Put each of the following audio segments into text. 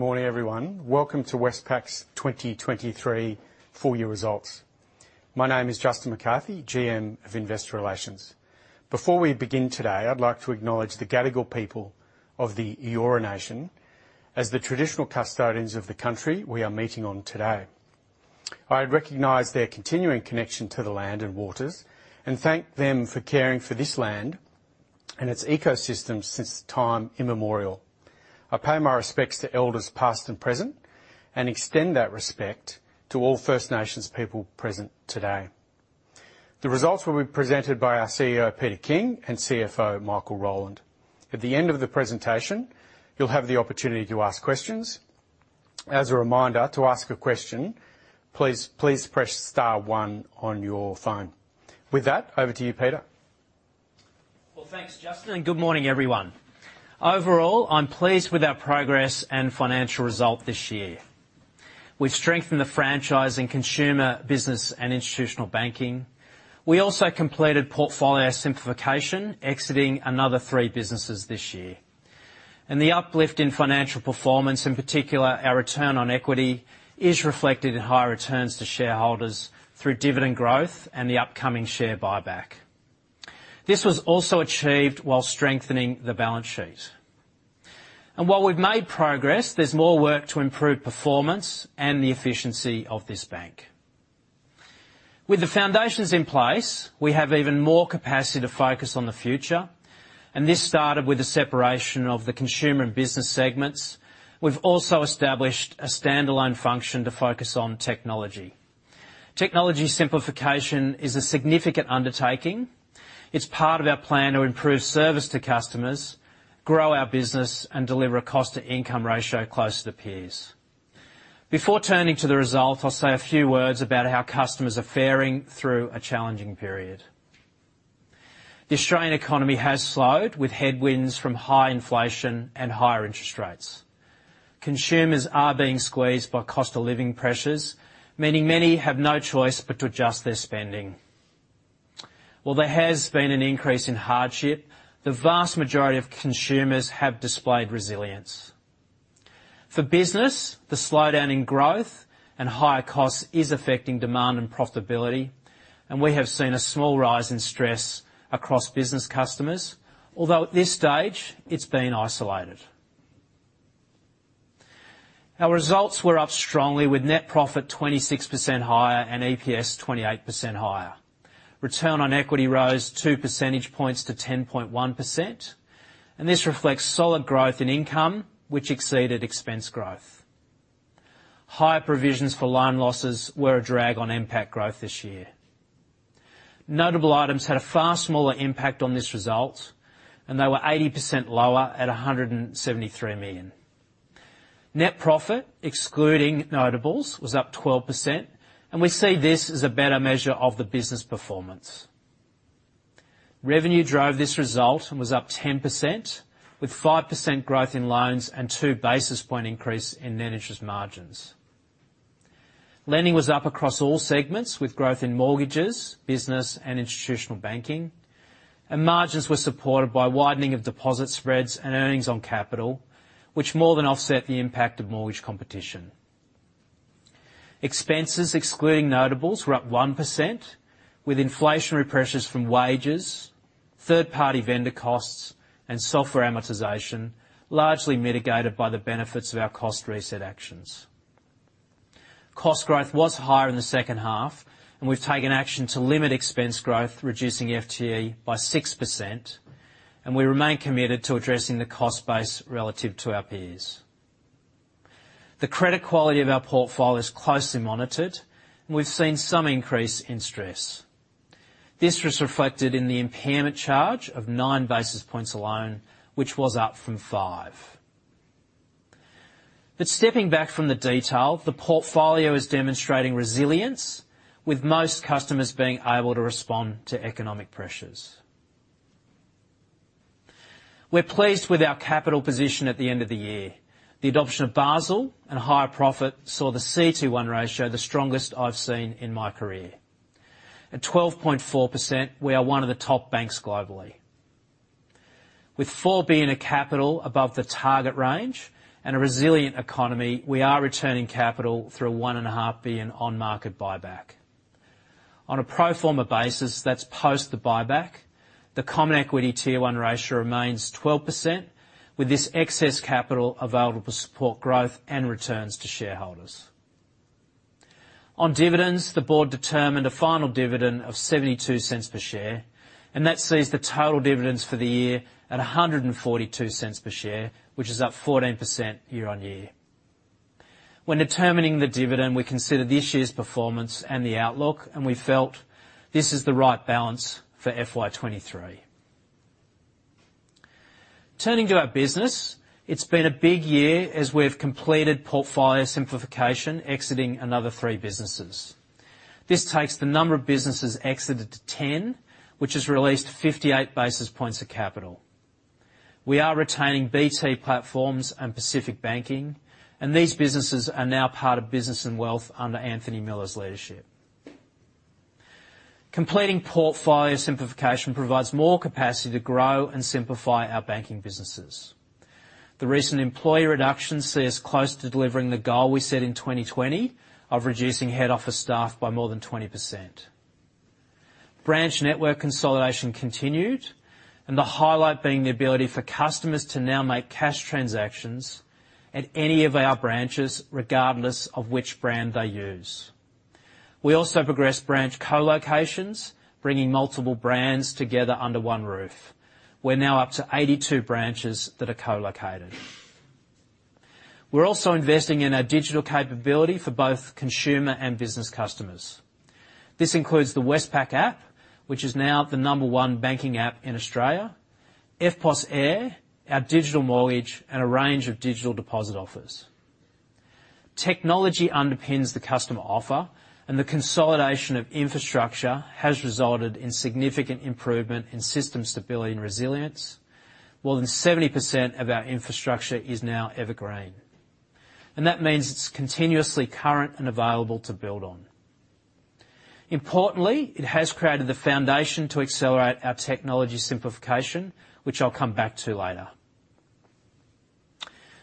Good morning, everyone. Welcome to Westpac's 2023 full-year results. My name is Justin McCarthy, GM of investor relations. Before we begin today, I'd like to acknowledge the Gadigal people of the Eora Nation as the traditional custodians of the country we are meeting on today. I recognize their continuing connection to the land and waters, and thank them for caring for this land and its ecosystems since time immemorial. I pay my respects to elders past and present, and extend that respect to all First Nations people present today. The results will be presented by our CEO, Peter King, and CFO, Michael Rowland. At the end of the presentation, you'll have the opportunity to ask questions. As a reminder, to ask a question, please, please press star one on your phone. With that, over to you, Peter. Well, thanks, Justin, and good morning, everyone. Overall, I'm pleased with our progress and financial result this year. We've strengthened the franchise in consumer, business, and institutional banking. We also completed portfolio simplification, exiting another three businesses this year. And the uplift in financial performance, in particular, our return on equity, is reflected in higher returns to shareholders through dividend growth and the upcoming share buyback. This was also achieved while strengthening the balance sheet. And while we've made progress, there's more work to improve performance and the efficiency of this bank. With the foundations in place, we have even more capacity to focus on the future, and this started with the separation of the consumer and business segments. We've also established a standalone function to focus on technology. Technology simplification is a significant undertaking. It's part of our plan to improve service to customers, grow our business, and deliver a cost-to-income ratio close to the peers. Before turning to the result, I'll say a few words about how customers are faring through a challenging period. The Australian economy has slowed, with headwinds from high inflation and higher interest rates. Consumers are being squeezed by cost-of-living pressures, meaning many have no choice but to adjust their spending. While there has been an increase in hardship, the vast majority of consumers have displayed resilience. For business, the slowdown in growth and higher costs is affecting demand and profitability, and we have seen a small rise in stress across business customers, although at this stage it's been isolated. Our results were up strongly, with net profit 26% higher and EPS 28% higher. Return on equity rose 2 percentage points to 10.1%, and this reflects solid growth in income, which exceeded expense growth. Higher provisions for loan losses were a drag on NPAT growth this year. Notable items had a far smaller impact on this result, and they were 80% lower at 173 million. Net profit, excluding notables, was up 12%, and we see this as a better measure of the business performance. Revenue drove this result and was up 10%, with 5% growth in loans and 2 basis point increase in net interest margins. Lending was up across all segments, with growth in mortgages, business, and institutional banking, and margins were supported by widening of deposit spreads and earnings on capital, which more than offset the impact of mortgage competition. Expenses, excluding notables, were up 1%, with inflationary pressures from wages, third-party vendor costs, and software amortization, largely mitigated by the benefits of our Cost Reset actions. Cost growth was higher in the second half, and we've taken action to limit expense growth, reducing FTE by 6%, and we remain committed to addressing the cost base relative to our peers. The credit quality of our portfolio is closely monitored, and we've seen some increase in stress. This was reflected in the impairment charge of 9 basis points alone, which was up from 5. But stepping back from the detail, the portfolio is demonstrating resilience, with most customers being able to respond to economic pressures. We're pleased with our capital position at the end of the year. The adoption of Basel and higher profit saw the CET1 ratio, the strongest I've seen in my career. At 12.4%, we are one of the top banks globally. With 4 billion of capital above the target range and a resilient economy, we are returning capital through a 1.5 billion on-market buyback. On a pro forma basis, that's post the buyback, the Common Equity Tier 1 ratio remains 12%, with this excess capital available to support growth and returns to shareholders. On dividends, the board determined a final dividend of 0.72 per share, and that sees the total dividends for the year at 1.42 per share, which is up 14% year-on-year. When determining the dividend, we considered this year's performance and the outlook, and we felt this is the right balance for FY 2023. Turning to our business, it's been a big year as we've completed portfolio simplification, exiting another 3 businesses. This takes the number of businesses exited to 10, which has released 58 basis points of capital. We are retaining BT Platforms and Pacific Banking, and these businesses are now part of Business & Wealth under Anthony Miller's leadership. Completing portfolio simplification provides more capacity to grow and simplify our banking businesses. The recent employee reduction sees close to delivering the goal we set in 2020, of reducing head office staff by more than 20%. Branch network consolidation continued, and the highlight being the ability for customers to now make cash transactions at any of our branches, regardless of which brand they use. We also progressed branch co-locations, bringing multiple brands together under one roof. We're now up to 82 branches that are co-located. We're also investing in our digital capability for both consumer and business customers. This includes the Westpac app, which is now the number one banking app in Australia, EFTPOS Air, our digital mortgage, and a range of digital deposit offers. Technology underpins the customer offer, and the consolidation of infrastructure has resulted in significant improvement in system stability and resilience. More than 70% of our infrastructure is now evergreen, and that means it's continuously current and available to build on. Importantly, it has created the foundation to accelerate our technology simplification, which I'll come back to later.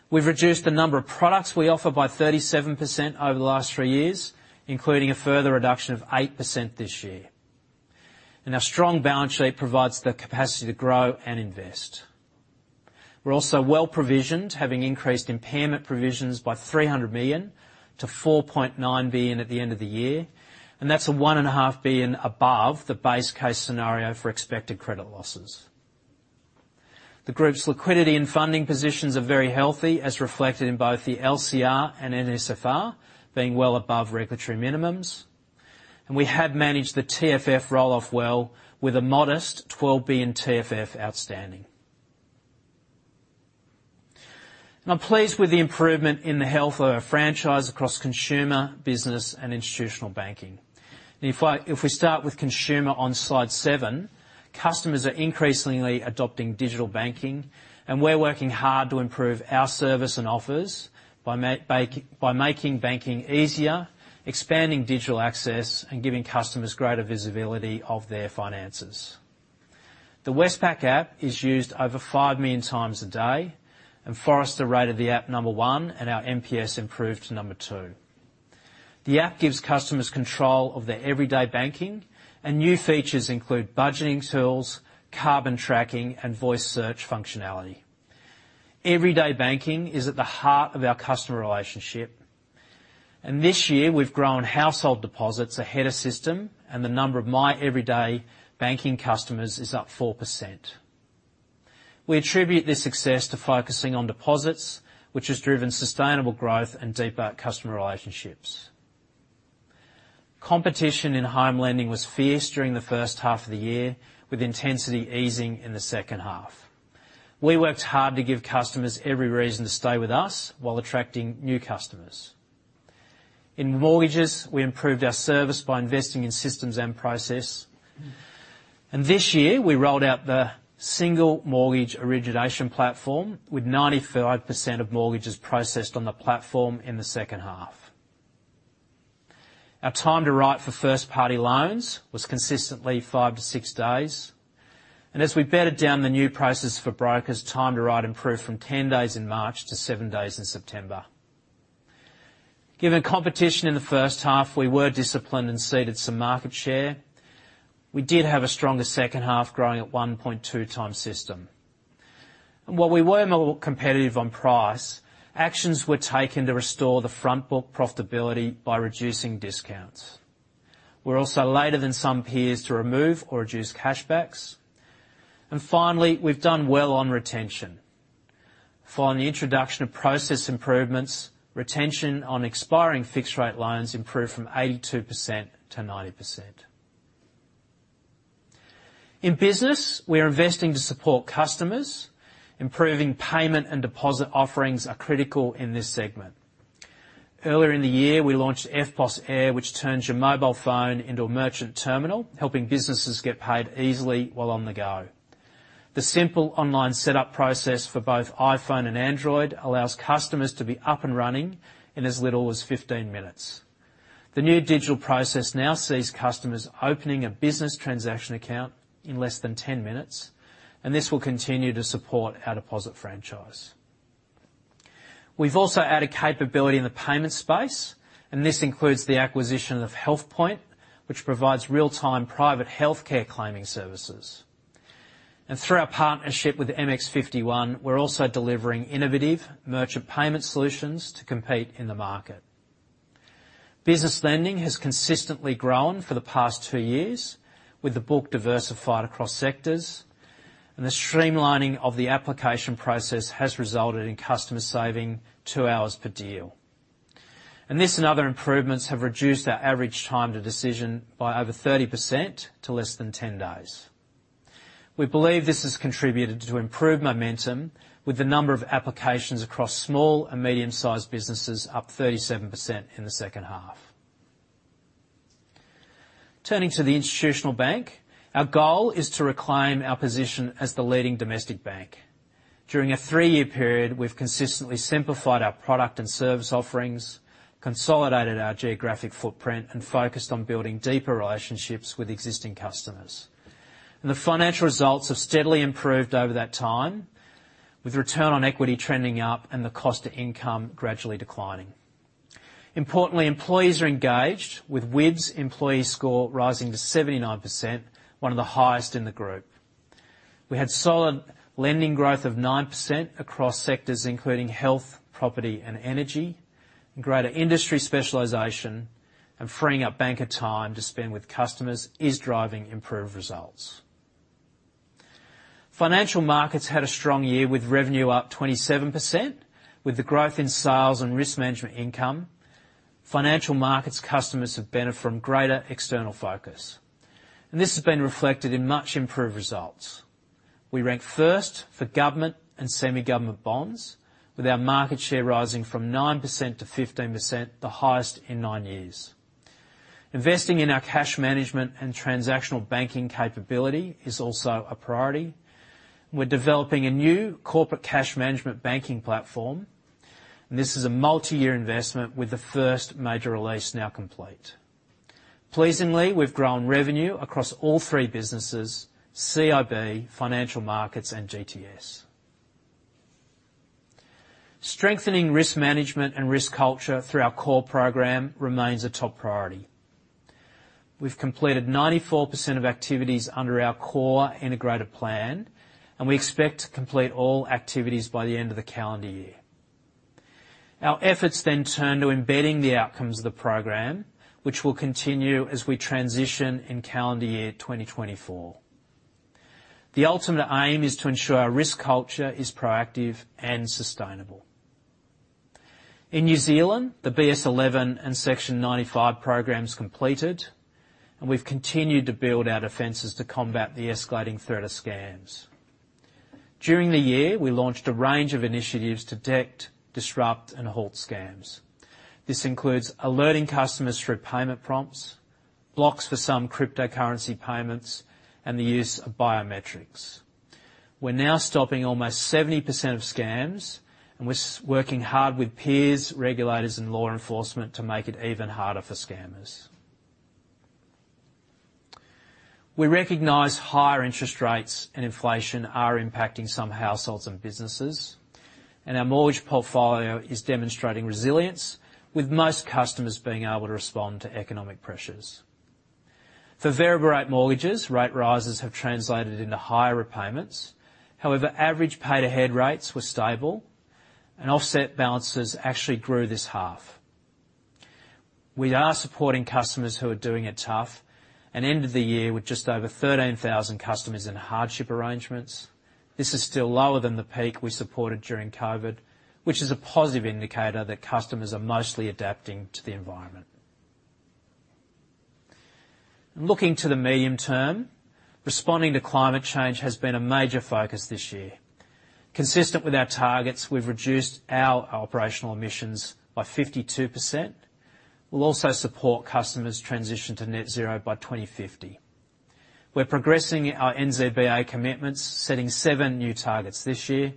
We've reduced the number of products we offer by 37% over the last 3 years, including a further reduction of 8% this year. Our strong balance sheet provides the capacity to grow and invest. We're also well-provisioned, having increased impairment provisions by 300 million-4.9 billion at the end of the year, and that's 1.5 billion above the base case scenario for expected credit losses. The group's liquidity and funding positions are very healthy, as reflected in both the LCR and NSFR being well above regulatory minimums, and we have managed the TFF roll-off well, with a modest 12 billion TFF outstanding. I'm pleased with the improvement in the health of our franchise across consumer, business, and institutional banking. If we start with consumer on slide 7, customers are increasingly adopting digital banking, and we're working hard to improve our service and offers by making banking easier, expanding digital access, and giving customers greater visibility of their finances. The Westpac app is used over 5 million times a day, and Forrester rated the app number 1, and our NPS improved to number 2. The app gives customers control of their everyday banking, and new features include budgeting tools, carbon tracking, and voice search functionality. Everyday banking is at the heart of our customer relationship, and this year we've grown household deposits ahead of system, and the number of my everyday banking customers is up 4%. We attribute this success to focusing on deposits, which has driven sustainable growth and deeper customer relationships. Competition in home lending was fierce during the first half of the year, with intensity easing in the second half. We worked hard to give customers every reason to stay with us while attracting new customers. In mortgages, we improved our service by investing in systems and process. This year, we rolled out the single mortgage origination platform, with 95% of mortgages processed on the platform in the second half. Our time to write for first-party loans was consistently 5-6 days, and as we bedded down the new process for brokers, time to write improved from 10 days in March to 7 days in September. Given competition in the first half, we were disciplined and ceded some market share. We did have a stronger second half, growing at 1.2x system. And while we were more competitive on price, actions were taken to restore the front book profitability by reducing discounts. We're also later than some peers to remove or reduce cash backs. And finally, we've done well on retention. Following the introduction of process improvements, retention on expiring fixed-rate loans improved from 82%-90%. In business, we are investing to support customers. Improving payment and deposit offerings are critical in this segment. Earlier in the year, we launched EFTPOS Air, which turns your mobile phone into a merchant terminal, helping businesses get paid easily while on the go. The simple online setup process for both iPhone and Android allows customers to be up and running in as little as 15 minutes. The new digital process now sees customers opening a business transaction account in less than 10 minutes, and this will continue to support our deposit franchise. We've also added capability in the payment space, and this includes the acquisition of HealthPoint, which provides real-time private healthcare claiming services. Through our partnership with mx51, we're also delivering innovative merchant payment solutions to compete in the market. Business lending has consistently grown for the past 2 years, with the book diversified across sectors, and the streamlining of the application process has resulted in customers saving 2 hours per deal. This and other improvements have reduced our average time to decision by over 30% to less than 10 days. We believe this has contributed to improved momentum, with the number of applications across small and medium-sized businesses up 37% in the second half. Turning to the Institutional Bank, our goal is to reclaim our position as the leading domestic bank. During a 3-year period, we've consistently simplified our product and service offerings, consolidated our geographic footprint, and focused on building deeper relationships with existing customers. The financial results have steadily improved over that time, with return on equity trending up and the cost-to-income gradually declining. Importantly, employees are engaged, with WIB's employee score rising to 79%, one of the highest in the group. We had solid lending growth of 9% across sectors, including health, property, and energy, and greater industry specialization, and freeing up banker time to spend with customers is driving improved results. Financial markets had a strong year, with revenue up 27%. With the growth in sales and risk management income, financial markets customers have benefited from greater external focus, and this has been reflected in much improved results. We ranked first for government and semi-government bonds, with our market share rising from 9%-15%, the highest in 9 years. Investing in our cash management and transactional banking capability is also a priority. We're developing a new corporate cash management banking platform, and this is a multi-year investment, with the first major release now complete. Pleasingly, we've grown revenue across all three businesses, CIB, Financial Markets, and GTS. Strengthening risk management and risk culture through our CORE program remains a top priority. We've completed 94% of activities under our core integrated plan, and we expect to complete all activities by the end of the calendar year. Our efforts then turn to embedding the outcomes of the program, which will continue as we transition in calendar year 2024. The ultimate aim is to ensure our risk culture is proactive and sustainable. In New Zealand, the BS11 and Section 95 programs completed, and we've continued to build our defenses to combat the escalating threat of scams. During the year, we launched a range of initiatives to detect, disrupt, and halt scams. This includes alerting customers through payment prompts, blocks for some cryptocurrency payments, and the use of biometrics. We're now stopping almost 70% of scams, and we're working hard with peers, regulators, and law enforcement to make it even harder for scammers. We recognize higher interest rates and inflation are impacting some households and businesses, and our mortgage portfolio is demonstrating resilience, with most customers being able to respond to economic pressures. For variable-rate mortgages, rate rises have translated into higher repayments. However, average pay ahead rates were stable, and offset balances actually grew this half. We are supporting customers who are doing it tough and ended the year with just over 13,000 customers in hardship arrangements. This is still lower than the peak we supported during COVID, which is a positive indicator that customers are mostly adapting to the environment. Looking to the medium term, responding to climate change has been a major focus this year. Consistent with our targets, we've reduced our operational emissions by 52%. We'll also support customers' transition to net zero by 2050. We're progressing our NZBA commitments, setting 7 new targets this year,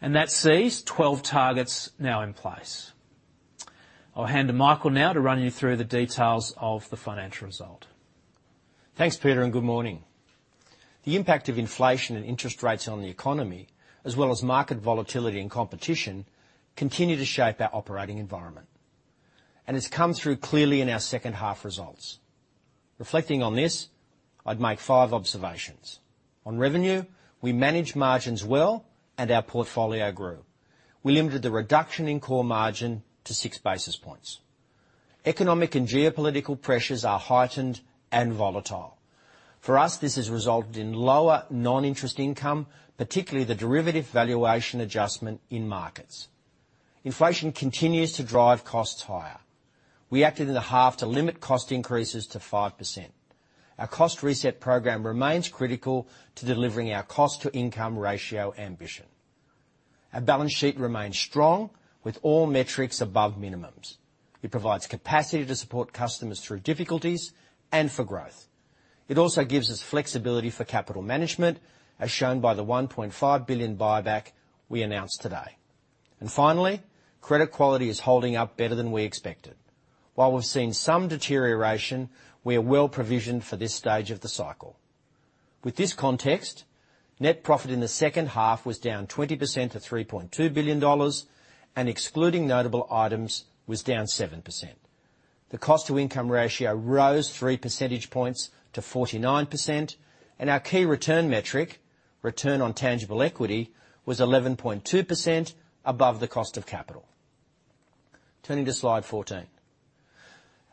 and that sees 12 targets now in place. I'll hand to Michael now to run you through the details of the financial result. Thanks, Peter, and good morning. The impact of inflation and interest rates on the economy, as well as market volatility and competition, continue to shape our operating environment, and it's come through clearly in our second half results. Reflecting on this, I'd make five observations. On revenue, we managed margins well, and our portfolio grew. We limited the reduction in core margin to six basis points. Economic and geopolitical pressures are heightened and volatile. For us, this has resulted in lower non-interest income, particularly the derivative valuation adjustment in markets. Inflation continues to drive costs higher. We acted in the half to limit cost increases to 5%. Our Cost Reset program remains critical to delivering our cost-to-income ratio ambition. Our balance sheet remains strong, with all metrics above minimums. It provides capacity to support customers through difficulties and for growth. It also gives us flexibility for capital management, as shown by the 1.5 billion buyback we announced today. And finally, credit quality is holding up better than we expected. While we've seen some deterioration, we are well provisioned for this stage of the cycle. With this context, net profit in the second half was down 20% to 3.2 billion dollars and, excluding notable items, was down 7%. The cost-to-income ratio rose 3 percentage points to 49%, and our key return metric, return on tangible equity, was 11.2% above the cost of capital. Turning to slide 14.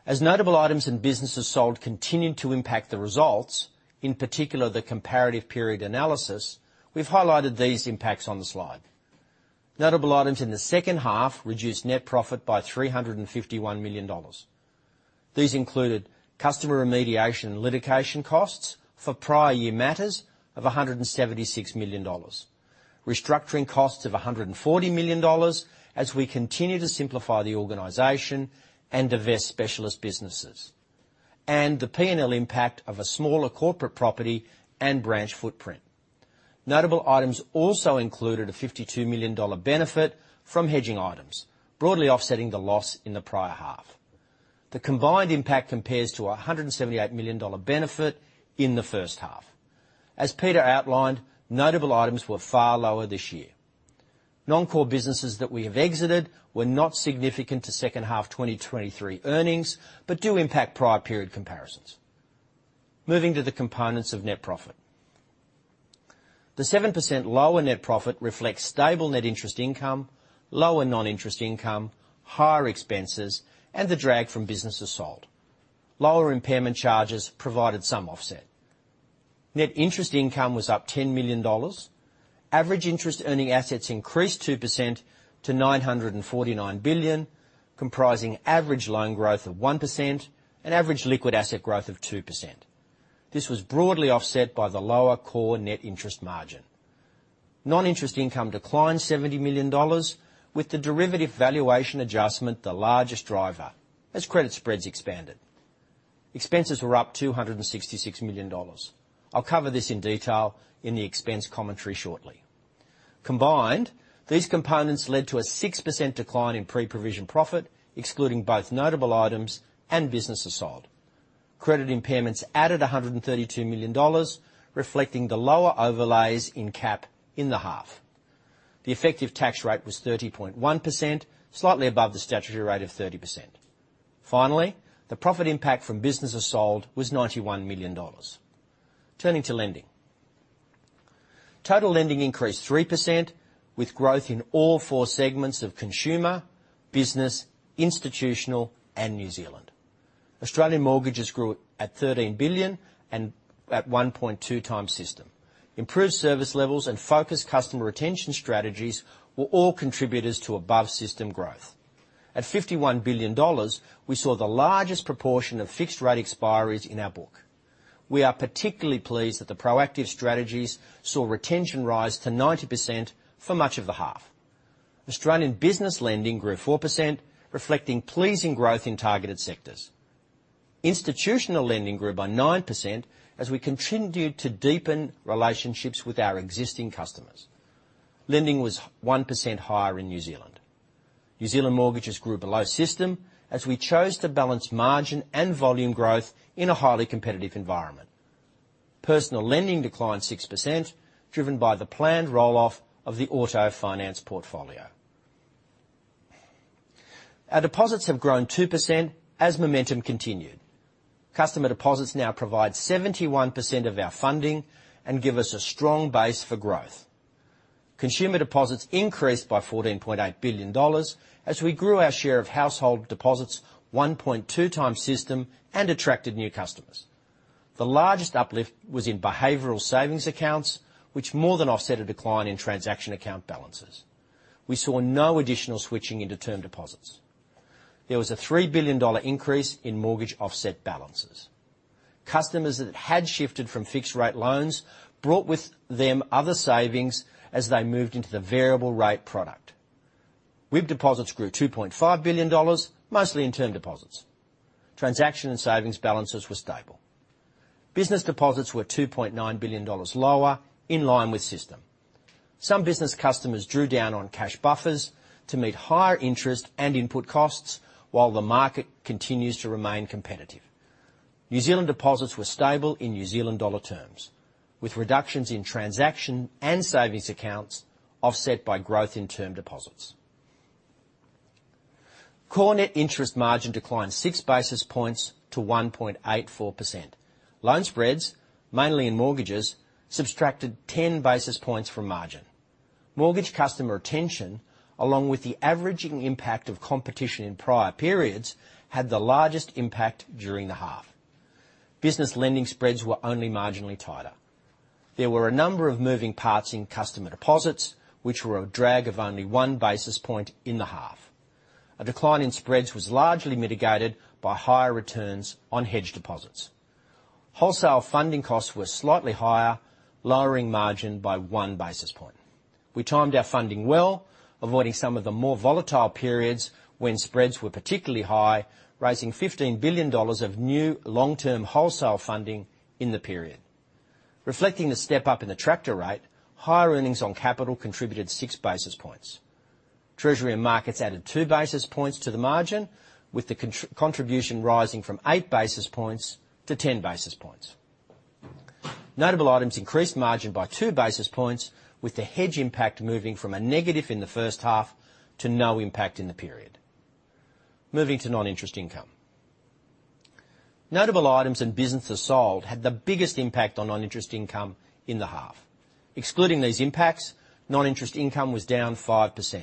As notable items and businesses sold continued to impact the results, in particular, the comparative period analysis, we've highlighted these impacts on the slide. Notable items in the second half reduced net profit by 351 million dollars. These included customer remediation and litigation costs for prior year matters of 176 million dollars, restructuring costs of 140 million dollars as we continue to simplify the organization and divest specialist businesses… and the P&L impact of a smaller corporate property and branch footprint. Notable items also included a 52 million dollar benefit from hedging items, broadly offsetting the loss in the prior half. The combined impact compares to a 178 million dollar benefit in the first half. As Peter outlined, notable items were far lower this year. Non-core businesses that we have exited were not significant to second half 2023 earnings, but do impact prior period comparisons. Moving to the components of net profit. The 7% lower net profit reflects stable net interest income, lower non-interest income, higher expenses, and the drag from businesses sold. Lower impairment charges provided some offset. Net interest income was up 10 million dollars. Average interest earning assets increased 2% to 949 billion, comprising average loan growth of 1% and average liquid asset growth of 2%. This was broadly offset by the lower core net interest margin. Non-interest income declined 70 million dollars, with the derivative valuation adjustment the largest driver, as credit spreads expanded. Expenses were up 266 million dollars. I'll cover this in detail in the expense commentary shortly. Combined, these components led to a 6% decline in pre-provision profit, excluding both notable items and businesses sold. Credit impairments added 132 million dollars, reflecting the lower overlays in CAP in the half. The effective tax rate was 30.1%, slightly above the statutory rate of 30%. Finally, the profit impact from businesses sold was 91 million dollars. Turning to lending. Total lending increased 3%, with growth in all 4 segments of consumer, business, institutional, and New Zealand. Australian mortgages grew at 13 billion and at 1.2 times system. Improved service levels and focused customer retention strategies were all contributors to above-system growth. At 51 billion dollars, we saw the largest proportion of fixed-rate expiries in our book. We are particularly pleased that the proactive strategies saw retention rise to 90% for much of the half. Australian business lending grew 4%, reflecting pleasing growth in targeted sectors. Institutional lending grew by 9%, as we continued to deepen relationships with our existing customers. Lending was 1% higher in New Zealand. New Zealand mortgages grew below system, as we chose to balance margin and volume growth in a highly competitive environment. Personal lending declined 6%, driven by the planned roll-off of the auto finance portfolio. Our deposits have grown 2%, as momentum continued. Customer deposits now provide 71% of our funding and give us a strong base for growth. Consumer deposits increased by 14.8 billion dollars, as we grew our share of household deposits 1.2 times system and attracted new customers. The largest uplift was in behavioral savings accounts, which more than offset a decline in transaction account balances. We saw no additional switching into term deposits. There was a 3 billion dollar increase in mortgage offset balances. Customers that had shifted from fixed-rate loans brought with them other savings as they moved into the variable rate product. WIB deposits grew 2.5 billion dollars, mostly in term deposits. Transaction and savings balances were stable. Business deposits were 2.9 billion dollars lower, in line with system. Some business customers drew down on cash buffers to meet higher interest and input costs, while the market continues to remain competitive. New Zealand deposits were stable in New Zealand dollar terms, with reductions in transaction and savings accounts offset by growth in term deposits. Core net interest margin declined 6 basis points to 1.84%. Loan spreads, mainly in mortgages, subtracted 10 basis points from margin. Mortgage customer retention, along with the averaging impact of competition in prior periods, had the largest impact during the half. Business lending spreads were only marginally tighter. There were a number of moving parts in customer deposits, which were a drag of only 1 basis point in the half. A decline in spreads was largely mitigated by higher returns on hedge deposits. Wholesale funding costs were slightly higher, lowering margin by one basis point. We timed our funding well, avoiding some of the more volatile periods when spreads were particularly high, raising 15 billion dollars of new long-term wholesale funding in the period. Reflecting the step up in the cash rate, higher earnings on capital contributed six basis points. Treasury and markets added two basis points to the margin, with the contribution rising from eight basis points to ten basis points. Notable items increased margin by two basis points, with the hedge impact moving from a negative in the first half to no impact in the period. Moving to non-interest income. Notable items and businesses sold had the biggest impact on non-interest income in the half. Excluding these impacts, non-interest income was down 5%.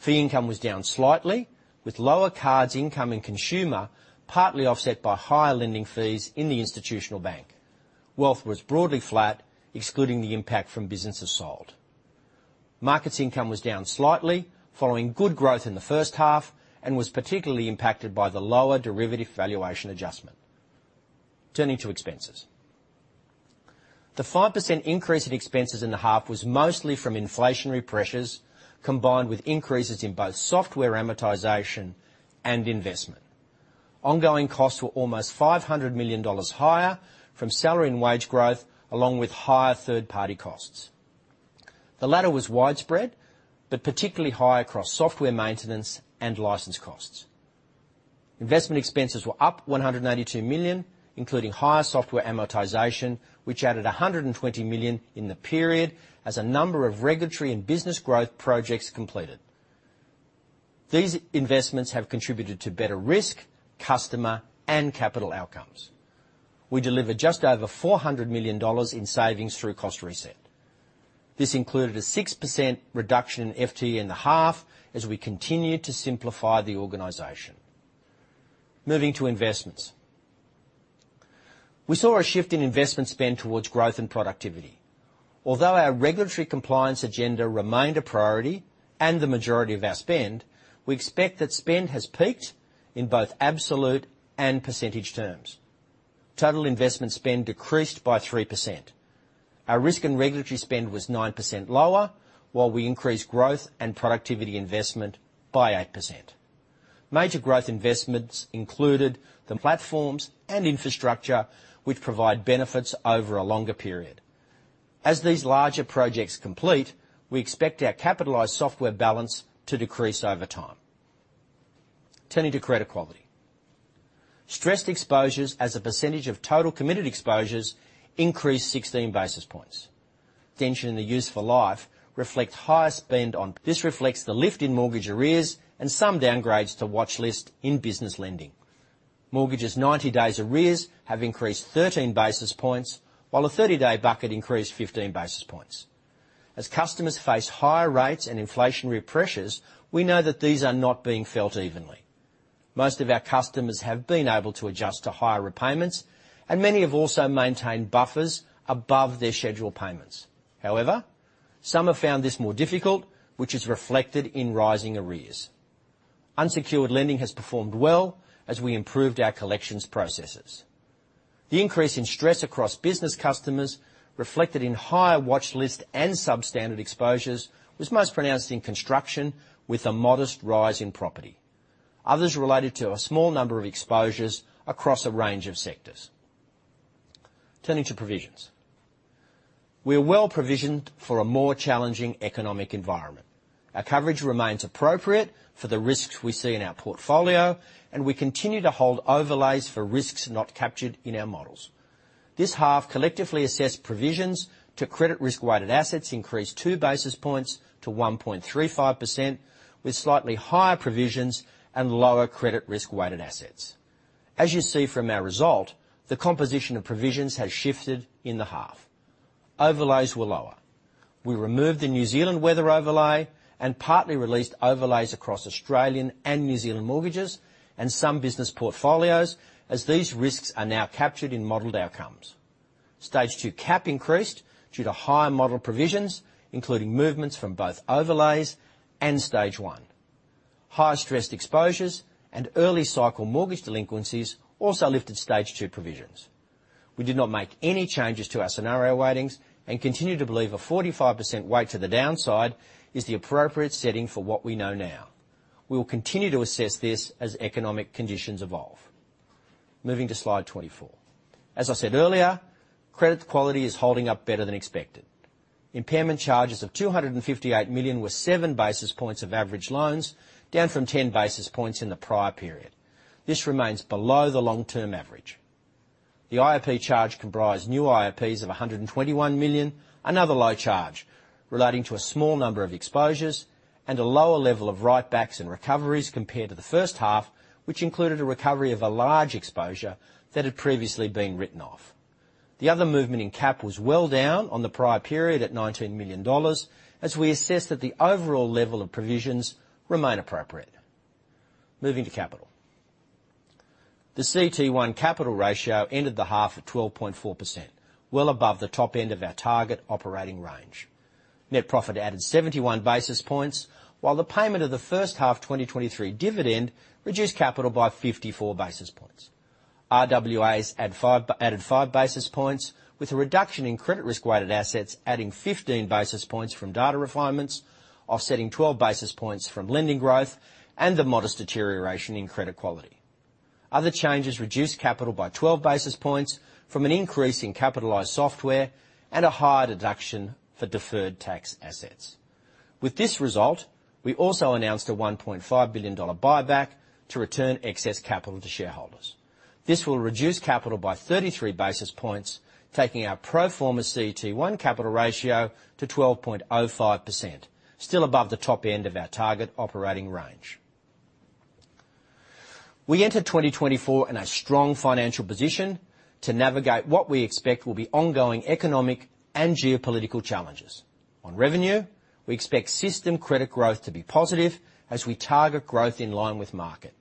Fee income was down slightly, with lower cards income in consumer, partly offset by higher lending fees in the institutional bank. Wealth was broadly flat, excluding the impact from businesses sold. Markets income was down slightly, following good growth in the first half, and was particularly impacted by the lower derivative valuation adjustment. Turning to expenses. The 5% increase in expenses in the half was mostly from inflationary pressures, combined with increases in both software amortization and investment. Ongoing costs were almost 500 million dollars higher from salary and wage growth, along with higher third-party costs. The latter was widespread, but particularly high across software maintenance and license costs. Investment expenses were up 182 million, including higher software amortization, which added 120 million in the period, as a number of regulatory and business growth projects completed. These investments have contributed to better risk, customer, and capital outcomes. We delivered just over 400 million dollars in savings through Cost Reset. This included a 6% reduction in FTE in the half, as we continued to simplify the organization. Moving to investments. We saw a shift in investment spend towards growth and productivity. Although our regulatory compliance agenda remained a priority and the majority of our spend, we expect that spend has peaked in both absolute and percentage terms. Total investment spend decreased by 3%. Our risk and regulatory spend was 9% lower, while we increased growth and productivity investment by 8%. Major growth investments included the platforms and infrastructure, which provide benefits over a longer period. As these larger projects complete, we expect our capitalized software balance to decrease over time. Turning to credit quality. Stressed exposures as a percentage of total committed exposures increased 16 basis points. Tension in the useful life reflect higher spend on his reflects the lift in mortgage arrears and some downgrades to watchlist in business lending. Mortgages 90 days arrears have increased 13 basis points, while a 30-day bucket increased 15 basis points. As customers face higher rates and inflationary pressures, we know that these are not being felt evenly. Most of our customers have been able to adjust to higher repayments, and many have also maintained buffers above their scheduled payments. However, some have found this more difficult, which is reflected in rising arrears. Unsecured lending has performed well as we improved our collections processes. The increase in stress across business customers, reflected in higher watchlist and substandard exposures, was most pronounced in construction with a modest rise in property. Others related to a small number of exposures across a range of sectors. Turning to provisions. We are well provisioned for a more challenging economic environment. Our coverage remains appropriate for the risks we see in our portfolio, and we continue to hold overlays for risks not captured in our models. This half, collectively assessed provisions to credit risk-weighted assets increased 2 basis points to 1.35%, with slightly higher provisions and lower credit risk-weighted assets. As you see from our result, the composition of provisions has shifted in the half. Overlays were lower. We removed the New Zealand weather overlay and partly released overlays across Australian and New Zealand mortgages and some business portfolios, as these risks are now captured in modeled outcomes. Stage 2 CAP increased due to higher model provisions, including movements from both overlays and Stage 1. Higher stressed exposures and early cycle mortgage delinquencies also lifted Stage 2 provisions. We did not make any changes to our scenario weightings and continue to believe a 45% weight to the downside is the appropriate setting for what we know now. We will continue to assess this as economic conditions evolve. Moving to slide 24. As I said earlier, credit quality is holding up better than expected. Impairment charges of 258 million were seven basis points of average loans, down from ten basis points in the prior period. This remains below the long-term average. The IAP charge comprised new IAPs of 121 million, another low charge relating to a small number of exposures, and a lower level of write-backs and recoveries compared to the first half, which included a recovery of a large exposure that had previously been written off. The other movement in CAP was well down on the prior period at 19 million dollars, as we assessed that the overall level of provisions remain appropriate. Moving to capital. The CET1 capital ratio ended the half at 12.4%, well above the top end of our target operating range. Net profit added 71 basis points, while the payment of the first half of 2023 dividend reduced capital by 54 basis points. RWAs added 5 basis points, with a reduction in credit risk-weighted assets adding 15 basis points from data refinements, offsetting 12 basis points from lending growth and the modest deterioration in credit quality. Other changes reduced capital by 12 basis points from an increase in capitalized software and a higher deduction for deferred tax assets. With this result, we also announced a 1.5 billion dollar buyback to return excess capital to shareholders. This will reduce capital by 33 basis points, taking our pro forma CET1 capital ratio to 12.05%, still above the top end of our target operating range. We entered 2024 in a strong financial position to navigate what we expect will be ongoing economic and geopolitical challenges. On revenue, we expect system credit growth to be positive as we target growth in line with market.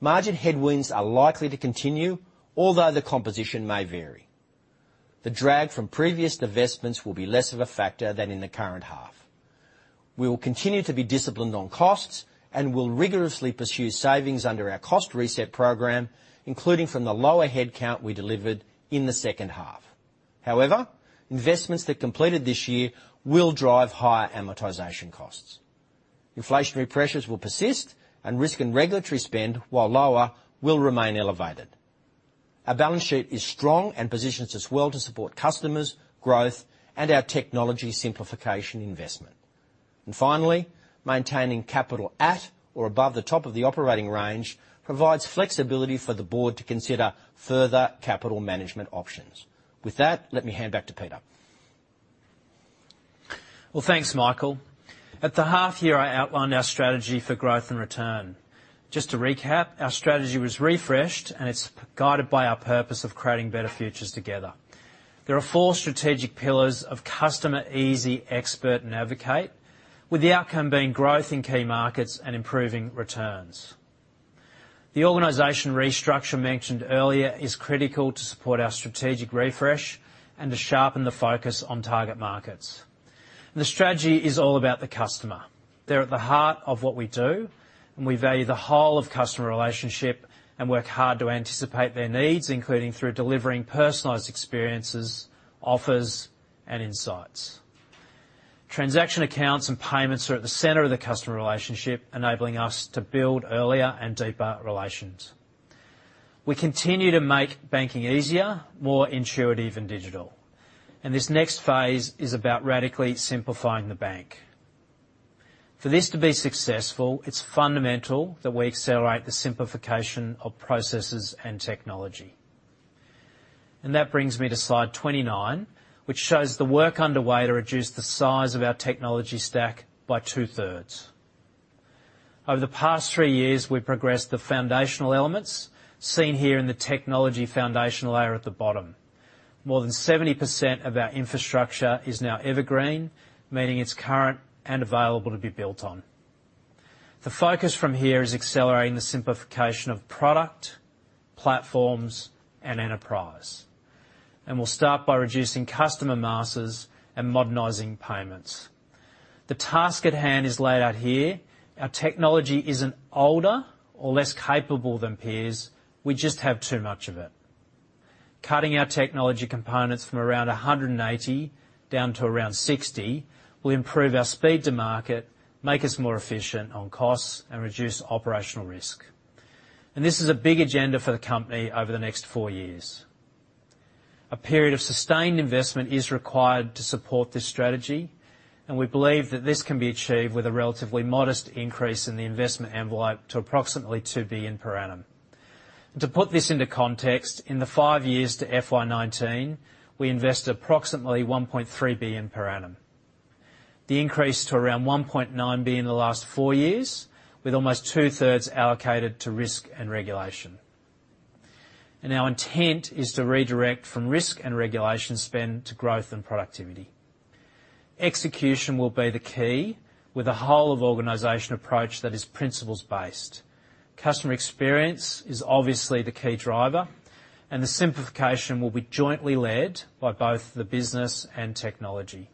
Margin headwinds are likely to continue, although the composition may vary. The drag from previous divestments will be less of a factor than in the current half. We will continue to be disciplined on costs, and we'll rigorously pursue savings under our Cost Reset program, including from the lower headcount we delivered in the second half. However, investments that completed this year will drive higher amortization costs. Inflationary pressures will persist, and risk and regulatory spend, while lower, will remain elevated. Our balance sheet is strong and positions us well to support customers, growth, and our technology simplification investment. Finally, maintaining capital at or above the top of the operating range provides flexibility for the board to consider further capital management options. With that, let me hand back to Peter. Well, thanks, Michael. At the half year, I outlined our strategy for growth and return. Just to recap, our strategy was refreshed, and it's guided by our purpose of creating better futures together. There are four strategic pillars of customer, easy, expert, and advocate, with the outcome being growth in key markets and improving returns. The organization restructure mentioned earlier is critical to support our strategic refresh and to sharpen the focus on target markets. The strategy is all about the customer. They're at the heart of what we do, and we value the whole of customer relationship and work hard to anticipate their needs, including through delivering personalized experiences, offers, and insights. Transaction accounts and payments are at the center of the customer relationship, enabling us to build earlier and deeper relations. We continue to make banking easier, more intuitive, and digital. This next phase is about radically simplifying the bank. For this to be successful, it's fundamental that we accelerate the simplification of processes and technology. That brings me to slide 29, which shows the work underway to reduce the size of our technology stack by two-thirds. Over the past three years, we've progressed the foundational elements, seen here in the technology foundation layer at the bottom. More than 70% of our infrastructure is now evergreen, meaning it's current and available to be built on. The focus from here is accelerating the simplification of product, platforms, and enterprise, and we'll start by reducing customer masters and modernizing payments. The task at hand is laid out here. Our technology isn't older or less capable than peers. We just have too much of it. Cutting our technology components from around 180 down to around 60 will improve our speed to market, make us more efficient on costs, and reduce operational risk. This is a big agenda for the company over the next 4 years. A period of sustained investment is required to support this strategy, and we believe that this can be achieved with a relatively modest increase in the investment envelope to approximately 2 billion per annum. To put this into context, in the 5 years to FY 2019, we invested approximately 1.3 billion per annum. The increase to around 1.9 billion in the last 4 years, with almost two-thirds allocated to risk and regulation. Our intent is to redirect from risk and regulation spend to growth and productivity. Execution will be the key, with a whole of organization approach that is principles-based. Customer experience is obviously the key driver, and the simplification will be jointly led by both the business and technology.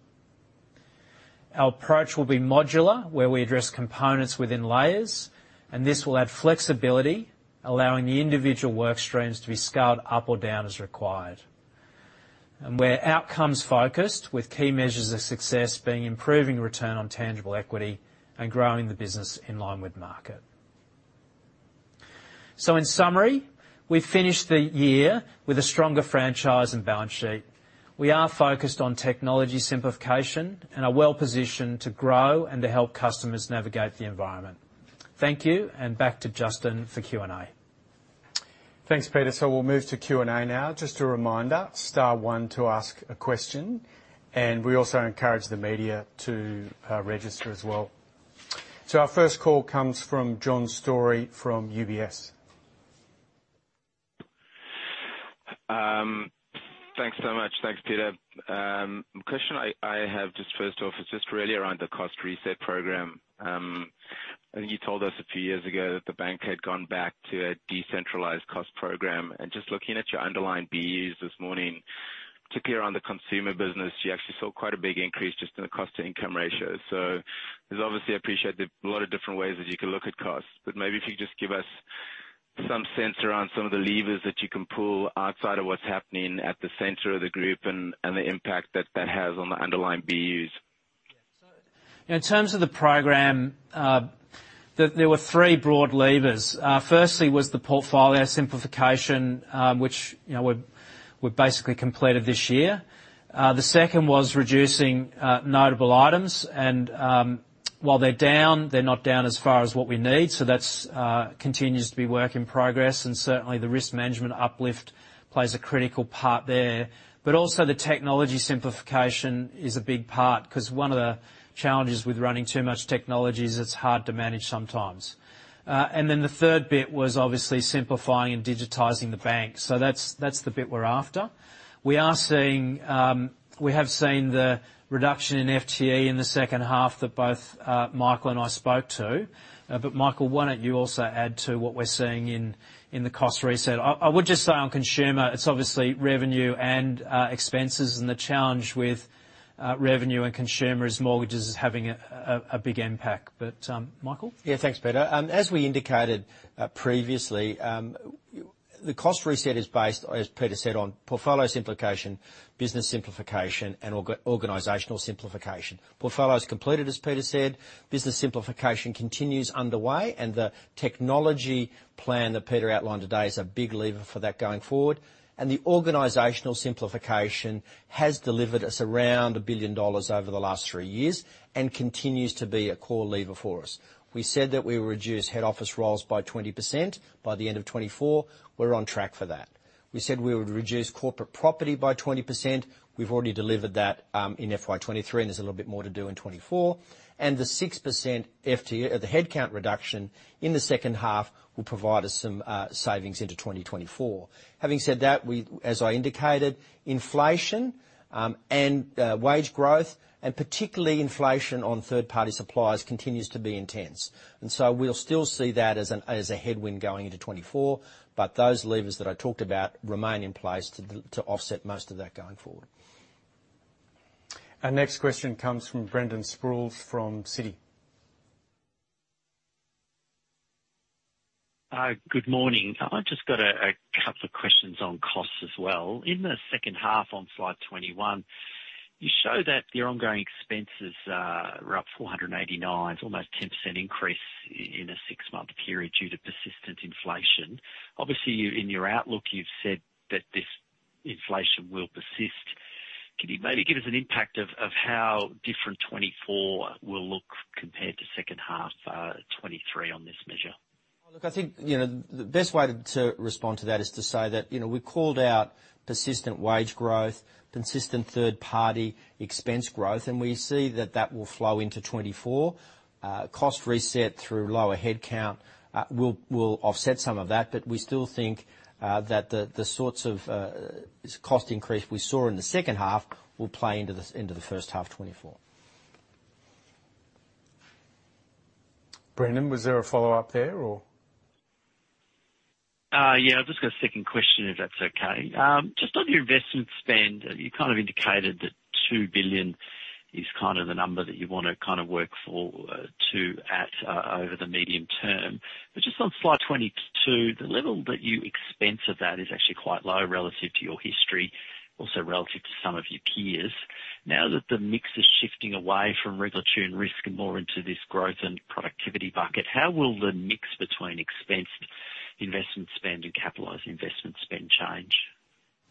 Our approach will be modular, where we address components within layers, and this will add flexibility, allowing the individual work streams to be scaled up or down as required. We're outcomes-focused, with key measures of success being improving return on tangible equity and growing the business in line with market. In summary, we've finished the year with a stronger franchise and balance sheet. We are focused on technology simplification and are well-positioned to grow and to help customers navigate the environment. Thank you, and back to Justin for Q&A. Thanks, Peter. So we'll move to Q&A now. Just a reminder, star one to ask a question, and we also encourage the media to register as well. So our first call comes from John Storey from UBS. Thanks so much. Thanks, Peter. The question I have, just first off, is just really around the Cost Reset program. I think you told us a few years ago that the bank had gone back to a decentralized cost program, and just looking at your underlying BUs this morning, particularly around the consumer business, you actually saw quite a big increase just in the cost-to-income ratio. So there's obviously, I appreciate, there are a lot of different ways that you can look at costs, but maybe if you could just give us some sense around some of the levers that you can pull outside of what's happening at the center of the group and the impact that that has on the underlying BUs. In terms of the program, there were three broad levers. Firstly was the portfolio simplification, which, you know, we're, we basically completed this year. The second was reducing notable items, and, while they're down, they're not down as far as what we need, so that's continues to be work in progress, and certainly, the risk management uplift plays a critical part there. But also, the technology simplification is a big part, 'cause one of the challenges with running too much technology is it's hard to manage sometimes. And then the third bit was obviously simplifying and digitizing the bank. So that's, that's the bit we're after. We are seeing... We have seen the reduction in FTE in the second half that both, Michael and I spoke to. But Michael, why don't you also add to what we're seeing in the Cost Reset? I would just say on consumer, it's obviously revenue and expenses, and the challenge with revenue and consumer is mortgages is having a big impact, but Michael? Yeah, thanks, Peter. As we indicated previously, the Cost Reset is based, as Peter said, on portfolio simplification, business simplification, and organizational simplification. Portfolio is completed, as Peter said. Business simplification continues underway, and the technology plan that Peter outlined today is a big lever for that going forward. And the organizational simplification has delivered us around 1 billion dollars over the last three years and continues to be a core lever for us. We said that we would reduce head office roles by 20% by the end of 2024. We're on track for that. We said we would reduce corporate property by 20%. We've already delivered that in FY 2023, and there's a little bit more to do in 2024. The 6% FTE, or the headcount reduction in the second half, will provide us some savings into 2024. Having said that, we, as I indicated, inflation and wage growth, and particularly inflation on third-party suppliers, continues to be intense, and so we'll still see that as a headwind going into 2024, but those levers that I talked about remain in place to offset most of that going forward. Our next question comes from Brendan Sproules, from Citi. Good morning. I've just got a couple of questions on costs as well. In the second half, on slide 21, you show that your ongoing expenses were up 489 million, almost 10% increase in a six-month period due to persistent inflation. Obviously, you, in your outlook, you've said that this inflation will persist. Can you maybe give us an impact of how different 2024 will look compared to second half, 2023 on this measure? Look, I think, you know, the best way to respond to that is to say that, you know, we called out persistent wage growth, consistent third-party expense growth, and we see that that will flow into 2024. Cost reset through lower headcount will offset some of that, but we still think that the sorts of cost increase we saw in the second half will play into the first half 2024. Brendan, was there a follow-up there or? Yeah, I've just got a second question, if that's okay. Just on your investment spend, you kind of indicated that 2 billion is kind of the number that you want to kind of work for, to over the medium term. But just on slide 22, the level that you expense of that is actually quite low relative to your history, also relative to some of your peers. Now that the mix is shifting away from regulatory and risk and more into this growth and productivity bucket, how will the mix between expensed investment spend and capitalized investment spend change?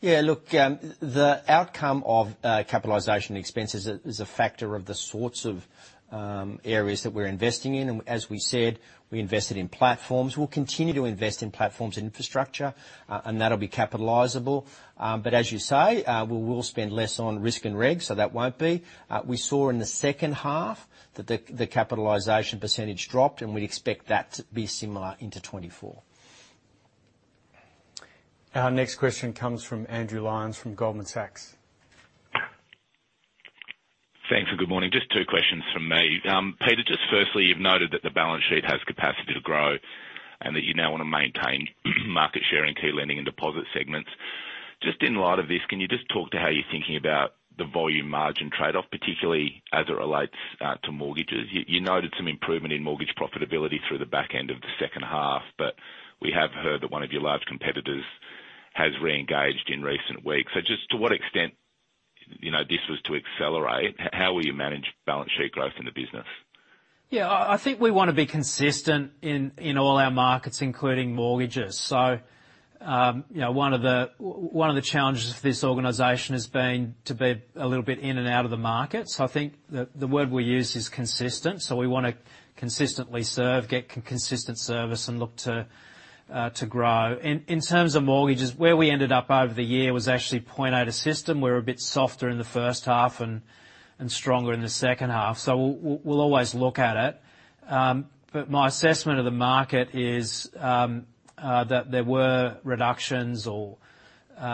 Yeah, look, the outcome of capitalization expenses is a factor of the sorts of areas that we're investing in, and as we said, we invested in platforms. We'll continue to invest in platforms and infrastructure, and that'll be capitalizable. But as you say, we will spend less on risk and reg, so that won't be. We saw in the second half that the capitalization percentage dropped, and we'd expect that to be similar into 2024. Our next question comes from Andrew Lyons, from Goldman Sachs. Thanks, and good morning. Just two questions from me. Peter, just firstly, you've noted that the balance sheet has capacity to grow, and that you now want to maintain market share in key lending and deposit segments. Just in light of this, can you just talk to how you're thinking about the volume margin trade-off, particularly as it relates to mortgages? You, you noted some improvement in mortgage profitability through the back end of the second half, but we have heard that one of your large competitors has reengaged in recent weeks. So just to what extent, you know, this was to accelerate, how will you manage balance sheet growth in the business? Yeah, I think we want to be consistent in all our markets, including mortgages. So, you know, one of the challenges for this organization has been to be a little bit in and out of the market. So I think the word we use is consistent. So we want to consistently serve, get consistent service, and look to to grow. In terms of mortgages, where we ended up over the year was actually point out a system. We're a bit softer in the first half and stronger in the second half, so we'll always look at it. But my assessment of the market is that there were reductions or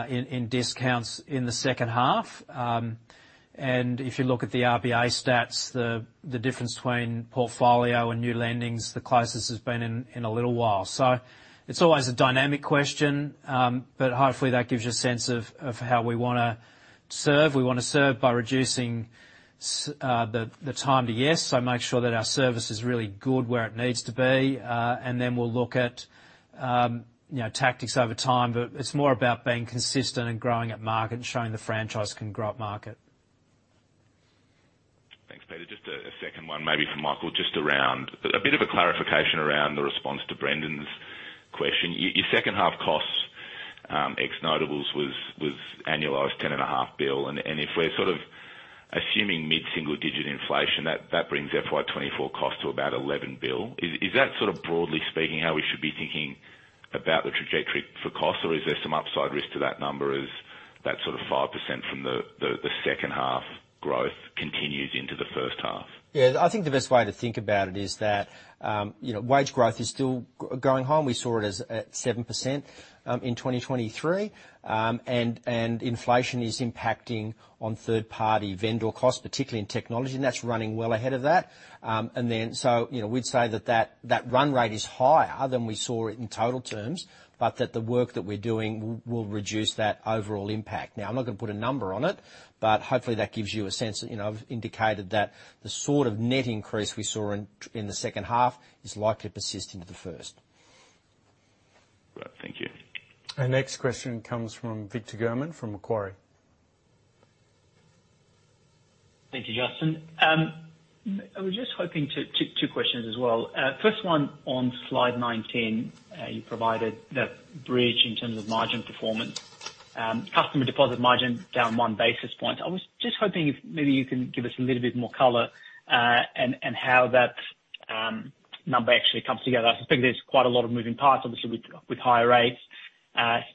in discounts in the second half. And if you look at the RBA stats, the difference between portfolio and new lendings, the closest it's been in a little while. So it's always a dynamic question. But hopefully that gives you a sense of how we want to serve. We want to serve by reducing the time to yes. So make sure that our service is really good where it needs to be, and then we'll look at, you know, tactics over time. But it's more about being consistent and growing at market and showing the franchise can grow at market. Thanks, Peter. Just a second one, maybe for Michael, just around a bit of a clarification around the response to Brendan's question. Your second half costs ex notables was annualized 10.5 billion, and if we're sort of assuming mid-single digit inflation, that brings FY 2024 cost to about 11 billion. Is that sort of broadly speaking how we should be thinking about the trajectory for costs, or is there some upside risk to that number as that sort of 5% from the second half growth continues into the first half? Yeah, I think the best way to think about it is that, you know, wage growth is still going high. We saw it at 7% in 2023. And inflation is impacting on third-party vendor costs, particularly in technology, and that's running well ahead of that. And then, so you know, we'd say that run rate is higher than we saw it in total terms, but that the work that we're doing will reduce that overall impact. Now, I'm not going to put a number on it, but hopefully that gives you a sense. You know, I've indicated that the sort of net increase we saw in the second half is likely to persist into the first. Our next question comes from Victor German from Macquarie. Thank you, Justin. I was just hoping to two questions as well. First one, on slide 19, you provided the bridge in terms of margin performance. Customer deposit margin down one basis point. I was just hoping if maybe you can give us a little bit more color and how that number actually comes together. I think there's quite a lot of moving parts, obviously, with higher rates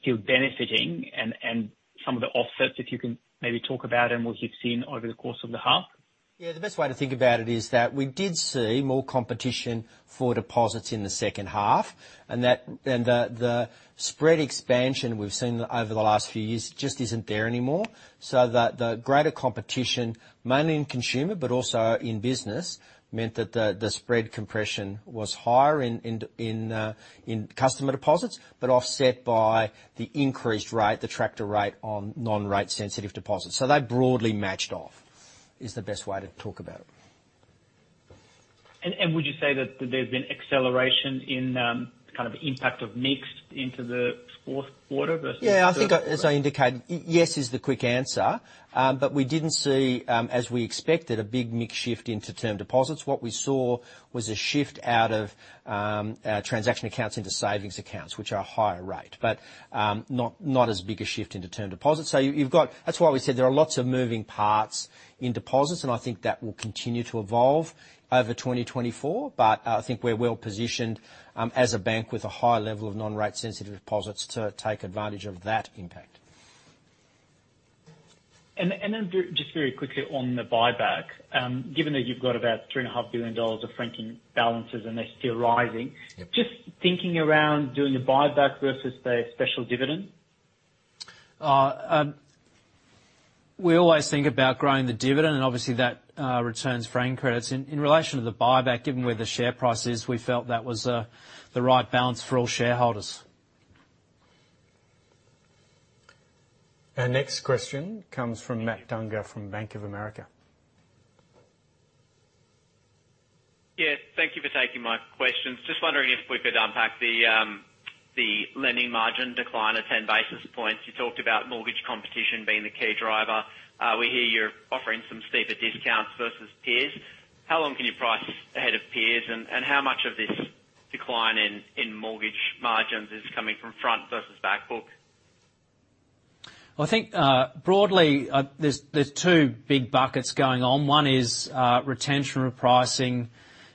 still benefiting. And some of the offsets, if you can maybe talk about and what you've seen over the course of the half. Yeah, the best way to think about it is that we did see more competition for deposits in the second half, and that the spread expansion we've seen over the last few years just isn't there anymore. So the greater competition, mainly in consumer but also in business, meant that the spread compression was higher in customer deposits, but offset by the increased rate, the tracker rate, on non-rate sensitive deposits. So they broadly matched off, is the best way to talk about it. Would you say that there's been acceleration in kind of impact of mix into the fourth quarter versus- Yeah, I think as I indicated, yes, is the quick answer. But we didn't see, as we expected, a big mix shift into term deposits. What we saw was a shift out of, transaction accounts into savings accounts, which are higher rate. But, not as big a shift into term deposits. So you've got-- That's why we said there are lots of moving parts in deposits, and I think that will continue to evolve over 2024. But, I think we're well positioned, as a bank with a high level of non-rate sensitive deposits to take advantage of that impact. And then, just very quickly on the buyback. Given that you've got about 3.5 billion dollars of franking balances and they're still rising- Yep. Just thinking around doing a buyback versus a special dividend? We always think about growing the dividend, and obviously, that returns franking credits. In relation to the buyback, given where the share price is, we felt that was the right balance for all shareholders. Our next question comes from Matt Dunger, from Bank of America. Yeah, thank you for taking my questions. Just wondering if we could unpack the lending margin decline of 10 basis points. You talked about mortgage competition being the key driver. We hear you're offering some steeper discounts versus peers. How long can you price ahead of peers, and how much of this decline in mortgage margins is coming from front versus back book? Well, I think, broadly, there's, there's 2 big buckets going on. One is, retention repricing,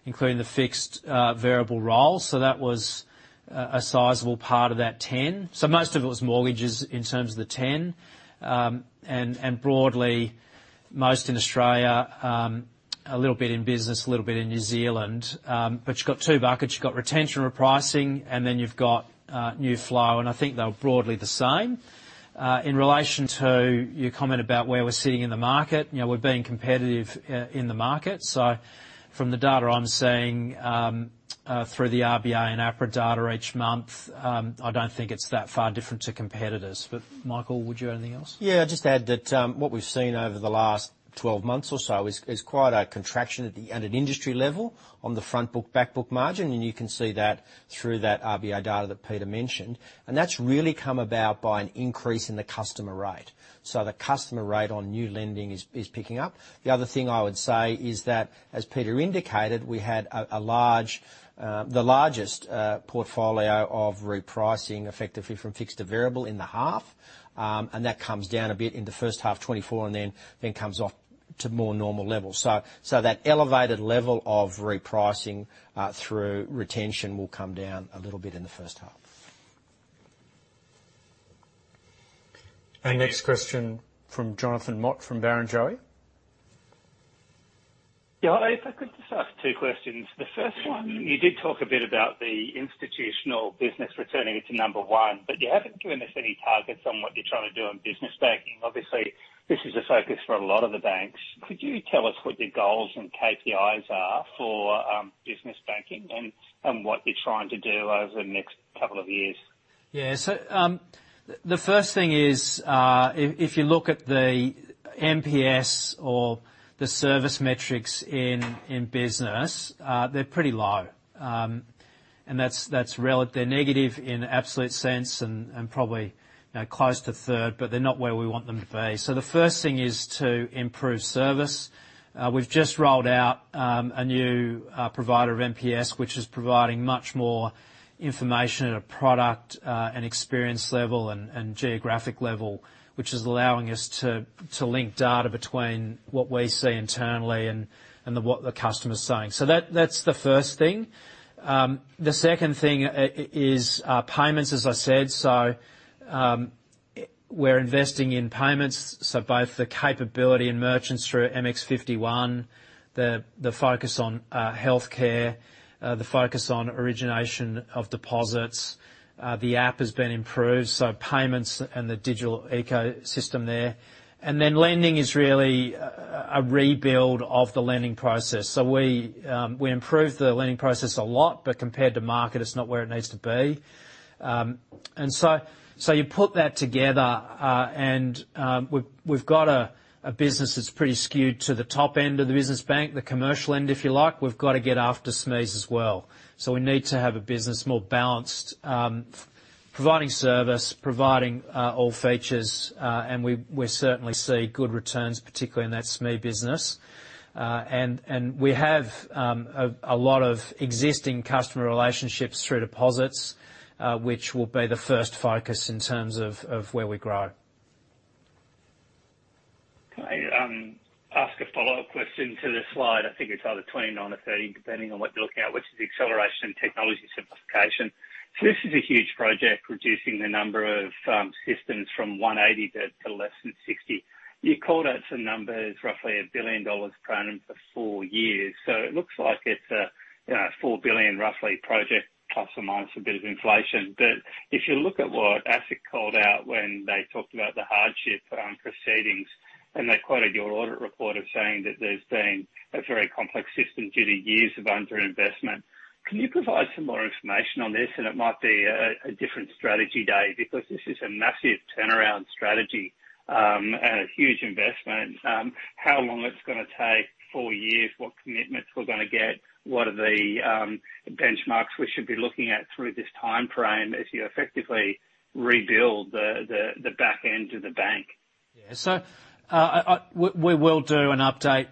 including the fixed, variable roll. So that was a, a sizable part of that 10. So most of it was mortgages in terms of the 10. And, and broadly, most in Australia, a little bit in business, a little bit in New Zealand. But you've got 2 buckets. You've got retention repricing, and then you've got, new flow, and I think they're broadly the same. In relation to your comment about where we're sitting in the market, you know, we're being competitive, in the market. So from the data I'm seeing, through the RBA and APRA data each month, I don't think it's that far different to competitors. But Michael, would you have anything else? Yeah, I'd just add that what we've seen over the last 12 months or so is quite a contraction at an industry level on the front book, back book margin, and you can see that through that RBA data that Peter mentioned. And that's really come about by an increase in the customer rate. So the customer rate on new lending is picking up. The other thing I would say is that, as Peter indicated, we had a large, the largest portfolio of repricing, effectively from fixed to variable, in the half. And that comes down a bit in the first half 2024, and then comes off to more normal levels. So that elevated level of repricing through retention will come down a little bit in the first half. Our next question from Jonathan Mott, from Barrenjoey. Yeah, if I could just ask two questions. The first one, you did talk a bit about the institutional business returning to number one, but you haven't given us any targets on what you're trying to do in business banking. Obviously, this is a focus for a lot of the banks. Could you tell us what your goals and KPIs are for business banking and what you're trying to do over the next couple of years? Yeah. So, the first thing is, if you look at the NPS or the service metrics in business, they're pretty low. And that's—they're negative in absolute sense and probably close to third, but they're not where we want them to be. So the first thing is to improve service. We've just rolled out a new provider of NPS, which is providing much more information at a product and experience level and geographic level, which is allowing us to link data between what we see internally and what the customer is saying. So that's the first thing. The second thing is payments, as I said. So, we're investing in payments, so both the capability and merchants through MX51, the focus on healthcare, the focus on origination of deposits. The app has been improved, so payments and the digital ecosystem there. And then lending is really a rebuild of the lending process. So we improved the lending process a lot, but compared to market, it's not where it needs to be. And you put that together, and we've got a business that's pretty skewed to the top end of the business bank, the commercial end, if you like. We've got to get after SMEs as well. So we need to have a business more balanced, providing service, providing all features, and we certainly see good returns, particularly in that SME business. We have a lot of existing customer relationships through deposits, which will be the first focus in terms of where we grow. May I ask a follow-up question to this slide? I think it's either 29 or 30, depending on what you're looking at, which is the acceleration and technology simplification. So this is a huge project, reducing the number of systems from 180 to less than 60. You called out some numbers, roughly 1 billion dollars per annum for four years, so it looks like it's a, you know, 4 billion roughly project, plus or minus a bit of inflation. But if you look at what ASIC called out when they talked about the hardship proceedings, and they quoted your audit report of saying that there's been a very complex system due to years of underinvestment. Can you provide some more information on this? And it might be a different strategy day, because this is a massive turnaround strategy, and a huge investment. How long it's going to take? Four years. What commitments we're going to get? What are the benchmarks we should be looking at through this timeframe, as you effectively rebuild the back end of the bank? Yeah. So, we will do an update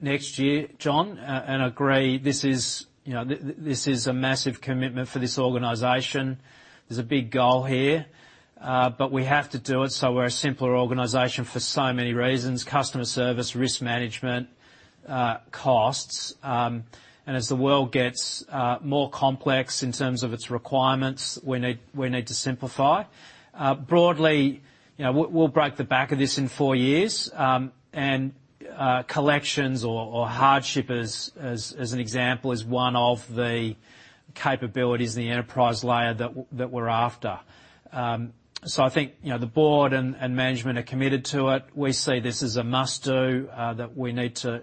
next year, John, and agree this is, you know, this is a massive commitment for this organization. There's a big goal here, but we have to do it, so we're a simpler organization for so many reasons: customer service, risk management, costs. And as the world gets more complex in terms of its requirements, we need to simplify. Broadly, you know, we'll break the back of this in four years. And, collections or hardship as an example, is one of the capabilities in the enterprise layer that we're after. So I think, you know, the board and management are committed to it. We see this as a must-do, that we need to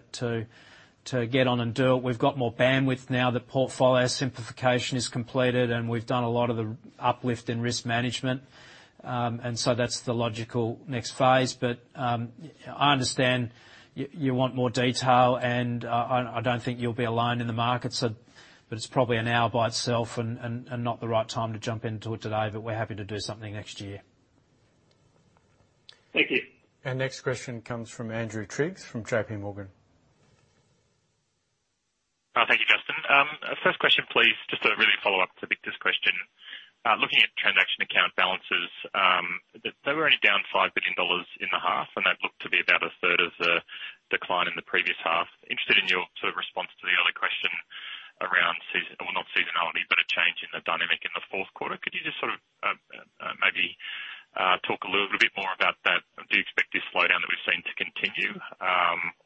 get on and do it. We've got more bandwidth now. The portfolio simplification is completed, and we've done a lot of the uplift in risk management. And so that's the logical next phase. But I understand you want more detail, and I don't think you'll be alone in the market, so... But it's probably an hour by itself and not the right time to jump into it today, but we're happy to do something next year. Thank you. Our next question comes from Andrew Triggs, from JP Morgan. Thank you, Justin. First question, please, just to really follow up to Victor's question. Looking at transaction account balances, they were only down 5 billion dollars in the half, and they looked to be about a third of the decline in the previous half. Interested in your sort of response to the earlier question around seasonality, well, not seasonality, but a change in the dynamic in the fourth quarter. Could you just sort of, maybe, talk a little bit more about that? Do you expect this slowdown that we've seen to continue,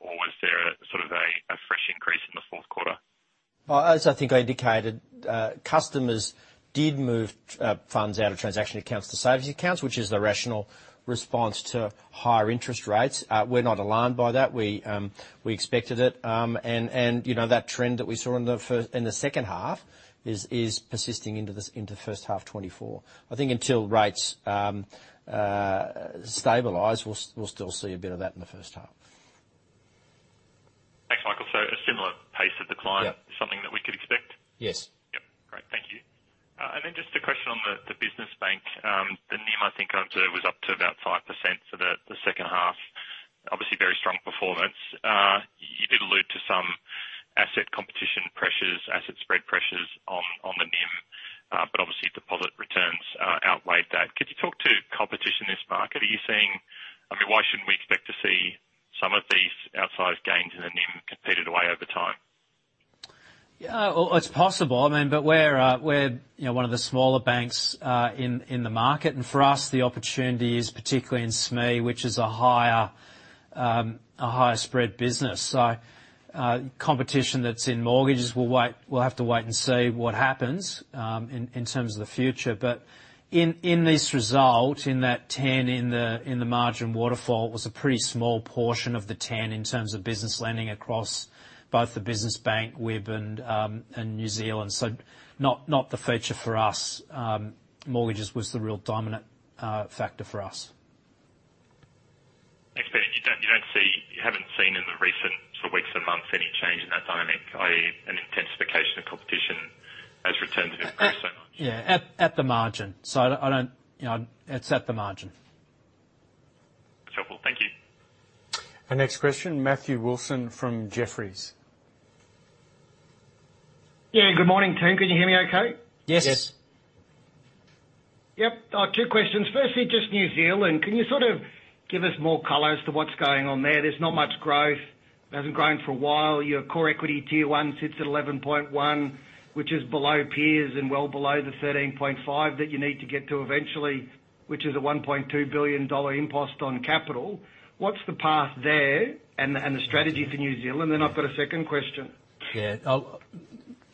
or was there sort of a fresh increase in the fourth quarter? Well, as I think I indicated, customers did move funds out of transaction accounts to savings accounts, which is the rational response to higher interest rates. We're not alarmed by that. We, we expected it. And, you know, that trend that we saw in the second half is persisting into the first half 2024. I think until rates stabilize, we'll still see a bit of that in the first half. Thanks, Michael. So a similar pace of decline- Yeah. something that we could expect? Yes. Yep. Great, thank you. And then just a question on the business bank. The NIM, I think, I observed, was up to about 5% for the second half. Obviously, very strong performance. You did allude to some asset competition pressures, asset spread pressures on the NIM, but obviously deposit returns outweighed that. Could you talk to competition in this market? Are you seeing... I mean, why shouldn't we expect to see some of these outsized gains in the NIM competed away over time? Yeah, well, it's possible. I mean, but we're, we're, you know, one of the smaller banks in the market. For us, the opportunity is particularly in SME, which is a higher, a higher spread business. So, competition that's in mortgages, we'll have to wait and see what happens in terms of the future. But in this result, in that 10, in the margin waterfall, it was a pretty small portion of the 10 in terms of business lending across both the business bank, WIB, and New Zealand. So not the feature for us. Mortgages was the real dominant factor for us. Thanks, Peter. You don't, you don't see-- you haven't seen in the recent sort of weeks and months any change in that dynamic, i.e., an intensification of competition as returns have increased so much? Yeah, at the margin. So you know, it's at the margin. Trouble. Thank you. Our next question, Matthew Wilson from Jefferies. Yeah, good morning, team. Can you hear me okay? Yes. Yes. Yep. Two questions. Firstly, just New Zealand. Can you sort of give us more color as to what's going on there? There's not much growth. It hasn't grown for a while. Your Core Equity Tier 1 sits at 11.1, which is below peers and well below the 13.5 that you need to get to eventually, which is a 1.2 billion dollar impost on capital. What's the path there and the strategy for New Zealand? Then I've got a second question. Yeah.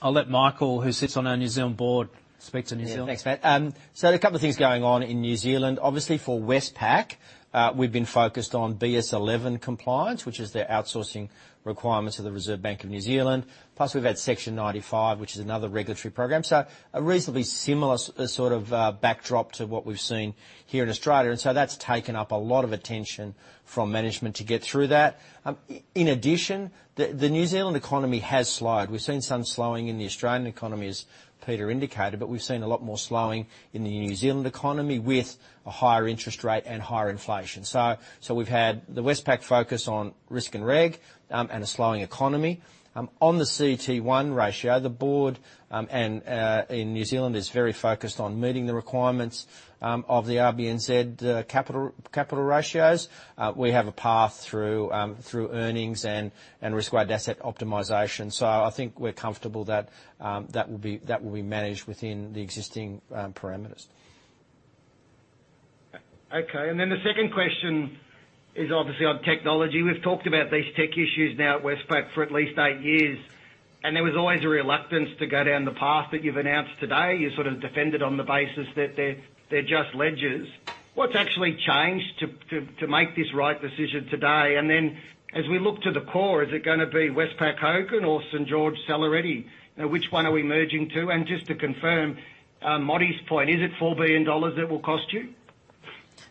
I'll let Michael, who sits on our New Zealand board, speak to New Zealand. Yeah. Thanks, Matt. So there are a couple of things going on in New Zealand. Obviously, for Westpac, we've been focused on BS11 compliance, which is the outsourcing requirements of the Reserve Bank of New Zealand, plus we've had Section 95, which is another regulatory program, so a reasonably similar sort of backdrop to what we've seen here in Australia, and so that's taken up a lot of attention from management to get through that. In addition, the New Zealand economy has slowed. We've seen some slowing in the Australian economy, as Peter indicated, but we've seen a lot more slowing in the New Zealand economy, with a higher interest rate and higher inflation. So we've had the Westpac focus on risk and reg, and a slowing economy. On the CET1 ratio, the board in New Zealand is very focused on meeting the requirements of the RBNZ capital ratios. We have a path through earnings and risk-weighted asset optimization. So I think we're comfortable that that will be managed within the existing parameters. Okay, and then the second question is obviously on technology. We've talked about these tech issues now at Westpac for at least eight years, and there was always a reluctance to go down the path that you've announced today. You sort of defended on the basis that they're just ledgers. What's actually changed to make this right decision today? And then as we look to the core, is it gonna be Westpac Hogan or St. George Celeriti? Now, which one are we merging to? And just to confirm, Mott's point, is it 4 billion dollars it will cost you?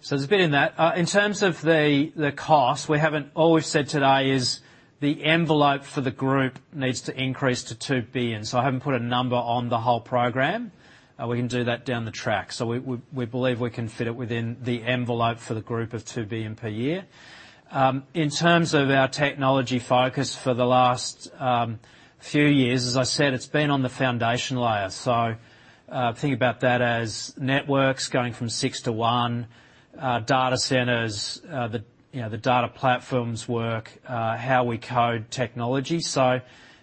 So there's a bit in that. In terms of the cost, we haven't—all we've said today is the envelope for the group needs to increase to 2 billion. So I haven't put a number on the whole program. We can do that down the track. So we believe we can fit it within the envelope for the group of 2 billion per year. In terms of our technology focus for the last few years, as I said, it's been on the foundation layer. So think about that as networks going from six to one, data centers, the you know the data platforms work, how we code technology. So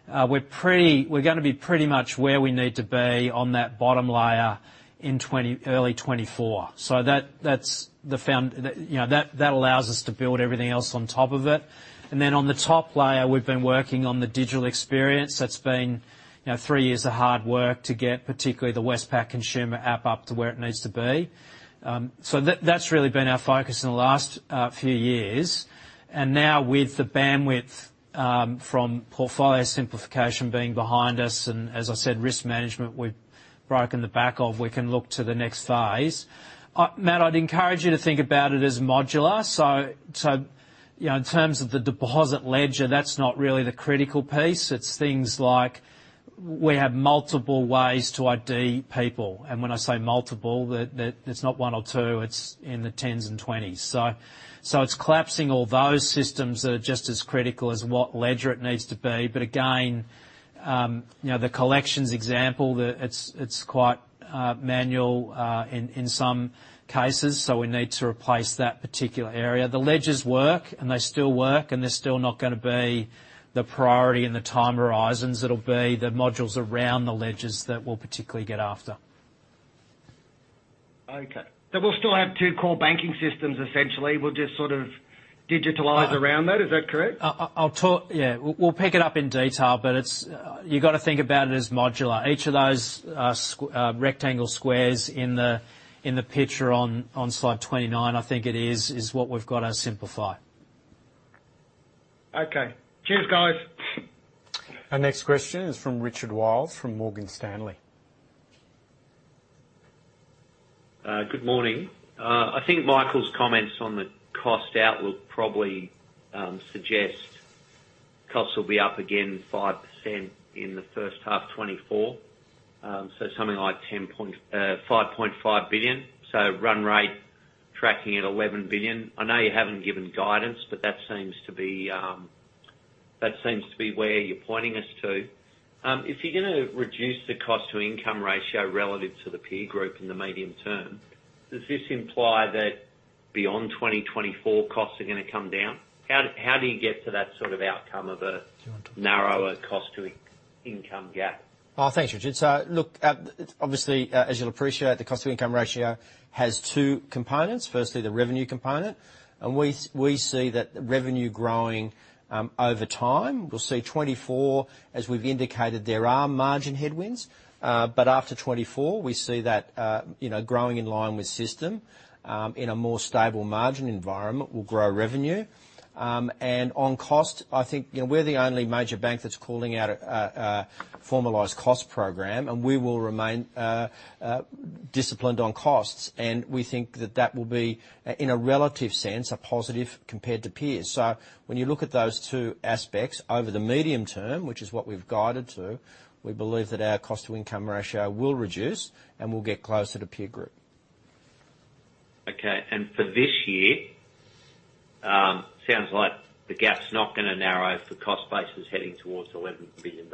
we're pretty... We're gonna be pretty much where we need to be on that bottom layer in early 2024. So that's the foundation, you know, that allows us to build everything else on top of it. And then on the top layer, we've been working on the digital experience. That's been, you know, three years of hard work to get, particularly the Westpac consumer app, up to where it needs to be. So that's really been our focus in the last few years. And now, with the bandwidth from portfolio simplification being behind us, and as I said, risk management, we've broken the back of, we can look to the next phase. Matt, I'd encourage you to think about it as modular. So, you know, in terms of the deposit ledger, that's not really the critical piece. It's things like, we have multiple ways to ID people, and when I say multiple, it's not one or two, it's in the tens and twenties. So, it's collapsing all those systems that are just as critical as what ledger it needs to be. But again, you know, the collections example. It's quite manual in some cases, so we need to replace that particular area. The ledgers work, and they still work, and they're still not gonna be the priority and the time horizons. It'll be the modules around the ledgers that we'll particularly get after. Okay. So we'll still have two core banking systems essentially. We'll just sort of digitalize around that. Is that correct? I'll talk. Yeah, we'll pick it up in detail, but it's, you've got to think about it as modular. Each of those rectangle squares in the picture on slide 29, I think it is, is what we've got to simplify. Okay. Cheers, guys. Our next question is from Richard Wiles, from Morgan Stanley. Good morning. I think Michael's comments on the cost outlook probably suggest costs will be up again 5% in the first half of 2024. So something like 10.55 billion. So run rate tracking at 11 billion. I know you haven't given guidance, but that seems to be where you're pointing us to. If you're gonna reduce the cost to income ratio relative to the peer group in the medium term, does this imply that beyond 2024 costs are gonna come down? How do you get to that sort of outcome of a narrower cost to income gap? Well, thanks, Richard. So look, obviously, as you'll appreciate, the cost-to-income ratio has two components. Firstly, the revenue component, and we see that revenue growing over time. We'll see 2024, as we've indicated, there are margin headwinds. But after 2024, we see that, you know, growing in line with system, in a more stable margin environment, will grow revenue. And on cost, I think, you know, we're the only major bank that's calling out a formalized cost program, and we will remain disciplined on costs. And we think that that will be, in a relative sense, a positive compared to peers. So when you look at those two aspects over the medium term, which is what we've guided to, we believe that our cost-to-income ratio will reduce, and we'll get closer to peer group. Okay. And for this year, sounds like the gap's not gonna narrow if the cost base is heading towards AUD 11 billion.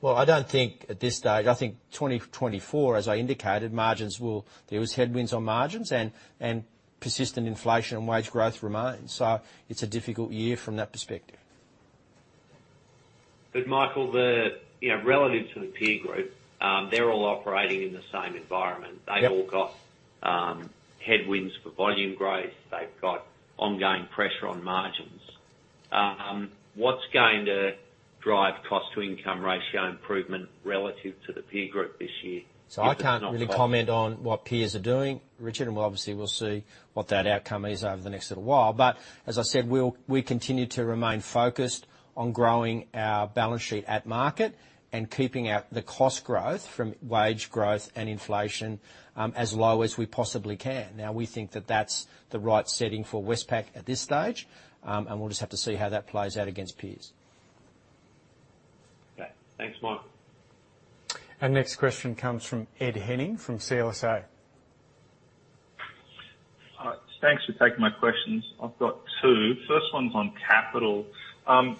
Well, I don't think at this stage... I think 2024, as I indicated, margins will- there was headwinds on margins and, and persistent inflation and wage growth remains, so it's a difficult year from that perspective. But Michael, you know, relative to the peer group, they're all operating in the same environment. Yep. They've all got headwinds for volume growth. They've got ongoing pressure on margins. What's going to drive cost-to-income ratio improvement relative to the peer group this year? So I can't really comment on what peers are doing, Richard, and obviously, we'll see what that outcome is over the next little while. But as I said, we continue to remain focused on growing our balance sheet at market and keeping out the cost growth from wage growth and inflation, as low as we possibly can. Now, we think that that's the right setting for Westpac at this stage, and we'll just have to see how that plays out against peers. Okay. Thanks, Michael. Our next question comes from Ed Henning, from CLSA. Thanks for taking my questions. I've got two. First one's on capital.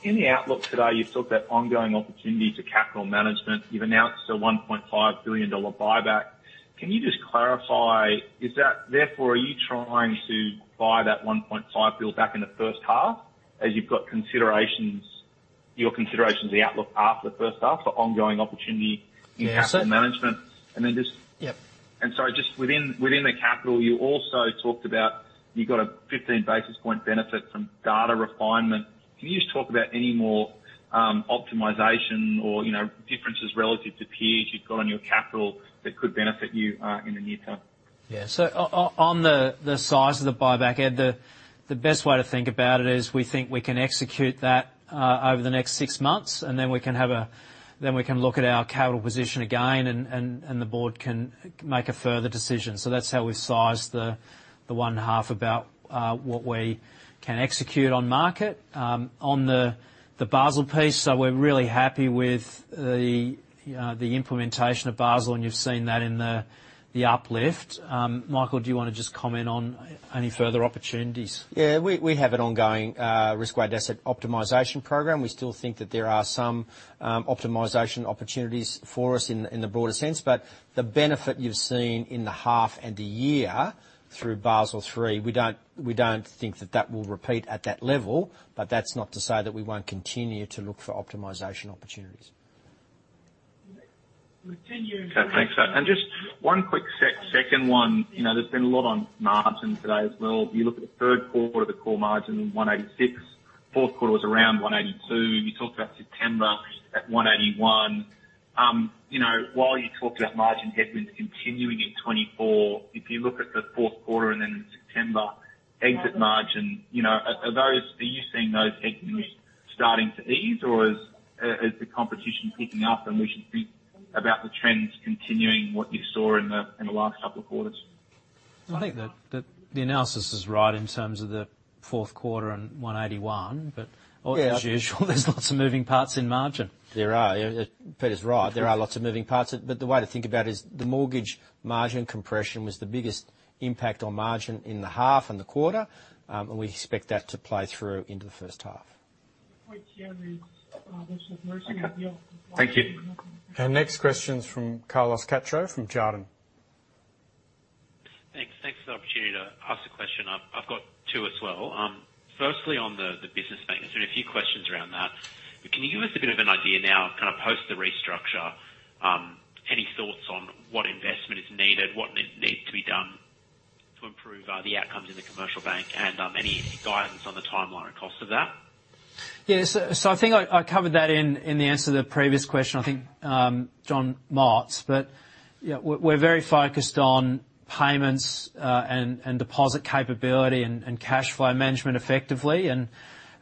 In the outlook today, you've talked about ongoing opportunity to capital management. You've announced a 1.5 billion dollar buyback. Can you just clarify, is that therefore, are you trying to buy that 1.5 billion back in the first half, as you've got considerations? .your considerations, the outlook after the first half for ongoing opportunity in capital management. And then just- Yeah. And so just within the capital, you also talked about you've got a 15 basis point benefit from data refinement. Can you just talk about any more optimization or, you know, differences relative to peers you've got on your capital that could benefit you in the near term? Yeah. So on the size of the buyback, Ed, the best way to think about it is we think we can execute that over the next six months, and then we can look at our capital position again, and the board can make a further decision. So that's how we've sized the one half about what we can execute on market. On the Basel piece, so we're really happy with the implementation of Basel, and you've seen that in the uplift. Michael, do you want to just comment on any further opportunities? Yeah, we, we have an ongoing risk-weighted asset optimization program. We still think that there are some optimization opportunities for us in, in the broader sense. But the benefit you've seen in the half and the year through Basel III, we don't, we don't think that that will repeat at that level, but that's not to say that we won't continue to look for optimization opportunities. Continue- Okay, thanks. And just one quick sec, second one. You know, there's been a lot on margin today as well. You look at the third quarter, the core margin, 1.86. Fourth quarter was around 1.82. You talked about September at 1.81. You know, while you talked about margin headwinds continuing in 2024, if you look at the fourth quarter and then in September, exit margin, you know, are you seeing those headwinds starting to ease, or is the competition picking up, and we should think about the trends continuing what you saw in the last couple of quarters? I think that the analysis is right in terms of the fourth quarter and 181. But- Yeah as usual, there's lots of moving parts in margin. Peter's right. There are lots of moving parts, but the way to think about it is the mortgage margin compression was the biggest impact on margin in the half and the quarter, and we expect that to play through into the first half. Right here, this is Mercy. Thank you. Our next question is from Carlos Cacho from Jarden. Thanks. Thanks for the opportunity to ask a question. I've got two as well. Firstly, on the business bank, there's been a few questions around that. Can you give us a bit of an idea now, kind of post the restructure, any thoughts on what investment is needed, what needs to be done to improve the outcomes in the commercial bank and any guidance on the timeline and cost of that? Yeah, so I think I covered that in the answer to the previous question, I think, Jonathan Mott. But, yeah, we're very focused on payments, and deposit capability and cashflow management effectively. And,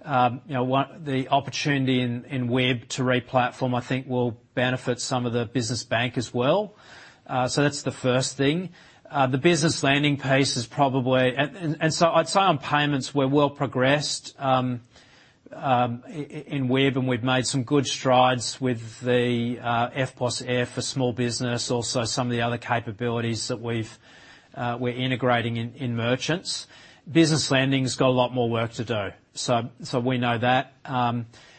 you know, one, the opportunity in WIB to re-platform, I think, will benefit some of the business bank as well. So that's the first thing. The business lending pace is probably... And so I'd say on payments, we're well progressed, in WIB, and we've made some good strides with the EFTPOS Air for small business, also some of the other capabilities that we're integrating in merchants. Business lending's got a lot more work to do, so we know that.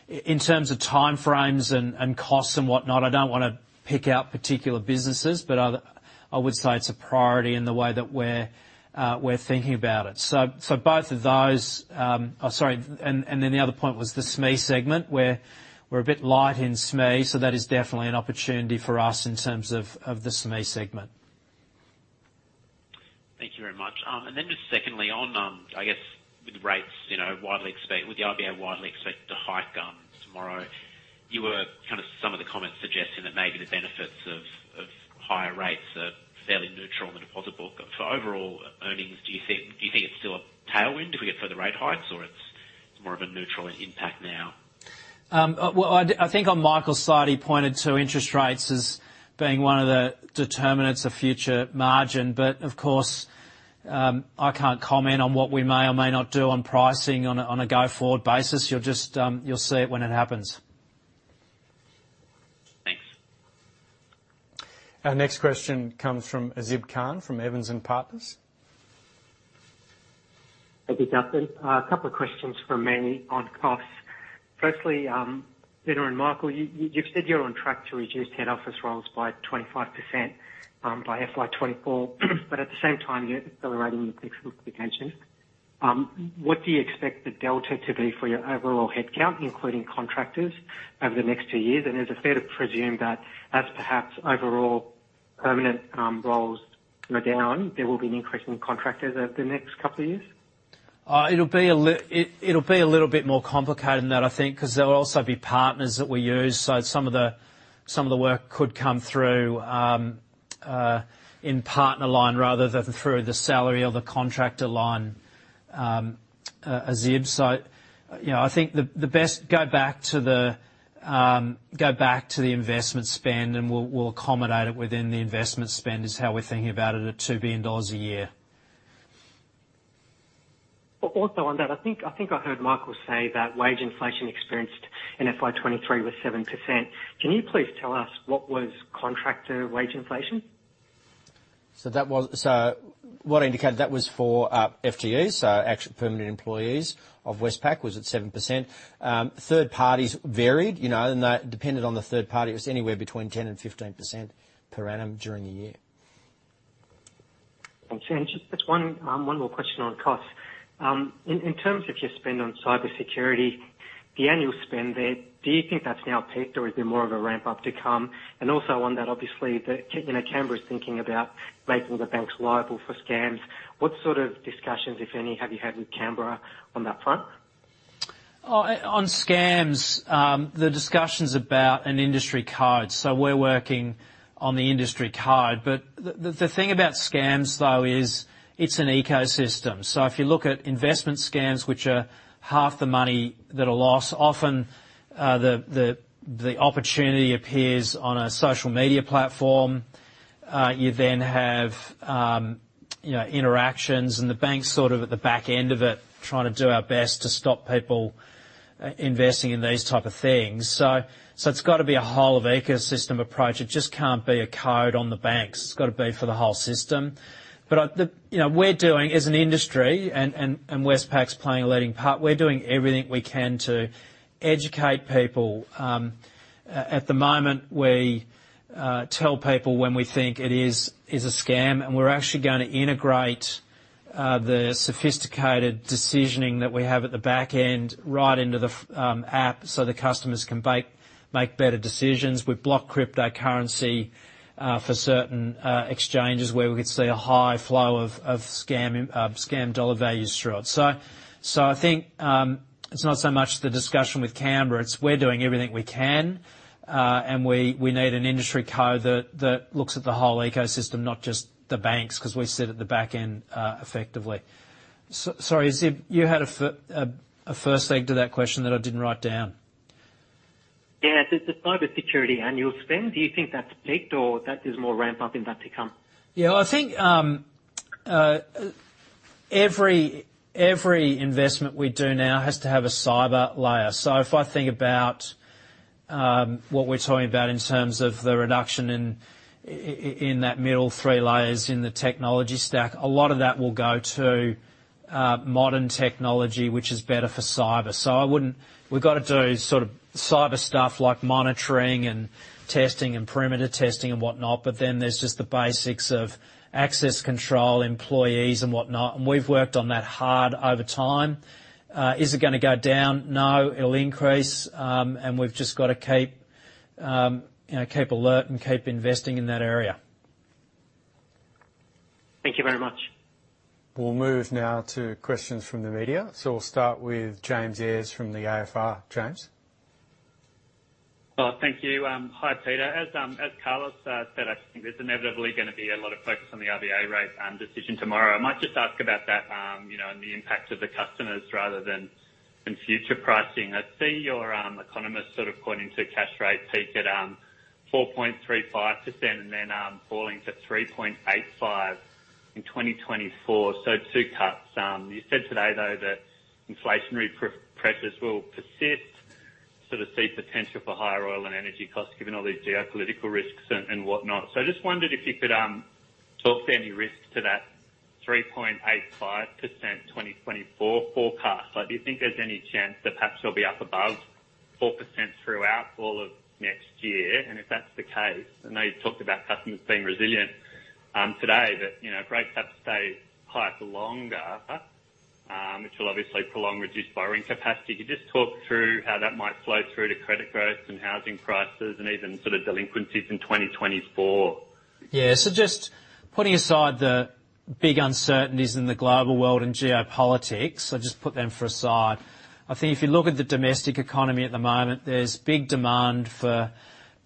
In terms of time frames and costs and whatnot, I don't want to pick out particular businesses, but I would say it's a priority in the way that we're thinking about it. So both of those... Oh, sorry, and then the other point was the SME segment, where we're a bit light in SME, so that is definitely an opportunity for us in terms of the SME segment. Thank you very much. And then just secondly, on, I guess with rates, you know, with the RBA widely expected to hike up tomorrow, you were kind of some of the comments suggesting that maybe the benefits of higher rates are fairly neutral on the deposit book. For overall earnings, do you think it's still a tailwind if we get further rate hikes, or it's more of a neutral impact now? Well, I think on Michael's side, he pointed to interest rates as being one of the determinants of future margin. But of course, I can't comment on what we may or may not do on pricing on a go-forward basis. You'll just, you'll see it when it happens. Thanks. Our next question comes from Azib Khan, from Evans and Partners. Thank you, Justin. A couple of questions from me on costs. Firstly, Peter and Michael, you, you've said you're on track to reduce head office roles by 25%, by FY 2024. But at the same time, you're accelerating the digital applications. What do you expect the Delta to be for your overall headcount, including contractors, over the next two years? And is it fair to presume that as perhaps overall permanent roles go down, there will be an increase in contractors over the next couple of years? It'll be a little bit more complicated than that, I think, because there will also be partners that we use, so some of the work could come through in partner line rather than through the salary or the contractor line, Azib. So, you know, I think the best, go back to the investment spend, and we'll accommodate it within the investment spend, is how we're thinking about it, at 2 billion dollars a year. Also, on that, I think I heard Michael say that wage inflation experienced in FY 2023 was 7%. Can you please tell us what was contractor wage inflation? So what I indicated, that was for FTEs, so actual permanent employees of Westpac, was at 7%. Third parties varied, you know, and that depended on the third party. It was anywhere between 10%-15% per annum during the year. Thanks. And just one more question on costs. In terms of your spend on cybersecurity, the annual spend there, do you think that's now peaked or is there more of a ramp up to come? And also on that, obviously, you know, Canberra is thinking about making the banks liable for scams. What sort of discussions, if any, have you had with Canberra on that front? On scams, the discussion's about an industry code, so we're working on the industry code. But the thing about scams, though, is it's an ecosystem. So if you look at investment scams, which are half the money that are lost, often, the opportunity appears on a social media platform. You then have, you know, interactions, and the bank's sort of at the back end of it, trying to do our best to stop people investing in these type of things. So it's got to be a whole-of-ecosystem approach. It just can't be a code on the banks. It's got to be for the whole system. But you know, we're doing as an industry, and Westpac's playing a leading part, we're doing everything we can to educate people. At the moment, we tell people when we think it is a scam, and we're actually going to integrate the sophisticated decisioning that we have at the back end right into the app, so the customers can make better decisions. We block cryptocurrency for certain exchanges where we could see a high flow of scam dollar values through it. So I think it's not so much the discussion with Canberra, it's we're doing everything we can, and we need an industry code that looks at the whole ecosystem, not just the banks, 'cause we sit at the back end effectively. Sorry, as if you had a first leg to that question that I didn't write down. Yeah, the cybersecurity annual spend, do you think that's peaked or that there's more ramp up in that to come? Yeah, I think every investment we do now has to have a cyber layer. So if I think about what we're talking about in terms of the reduction in that middle three layers in the technology stack, a lot of that will go to modern technology, which is better for cyber. So I wouldn't... We've got to do sort of cyber stuff like monitoring and testing and perimeter testing and whatnot, but then there's just the basics of access control, employees, and whatnot, and we've worked on that hard over time. Is it gonna go down? No, it'll increase. And we've just got to keep you know, keep alert and keep investing in that area. Thank you very much. We'll move now to questions from the media. So we'll start with James Eyers from the AFR. James? Well, thank you. Hi, Peter. As, as Carlos said, I just think there's inevitably going to be a lot of focus on the RBA rate decision tomorrow. I might just ask about that, you know, and the impact of the customers, rather than, than future pricing. I see your economists sort of pointing to a cash rate peak at 4.35%, and then falling to 3.85% in 2024, so two cuts. You said today, though, that inflationary pressures will persist, so to see potential for higher oil and energy costs, given all these geopolitical risks and, and whatnot. So I just wondered if you could talk to any risks to that 3.85% 2024 forecast. Like, do you think there's any chance that perhaps you'll be up above 4% throughout all of next year? If that's the case, I know you've talked about customers being resilient, today, but, you know, if rates have to stay higher for longer, which will obviously prolong reduced borrowing capacity, could you just talk through how that might flow through to credit growth and housing prices, and even sort of delinquencies in 2024? Yeah. So just putting aside the big uncertainties in the global world and geopolitics, I'll just put them aside. I think if you look at the domestic economy at the moment, there's big demand for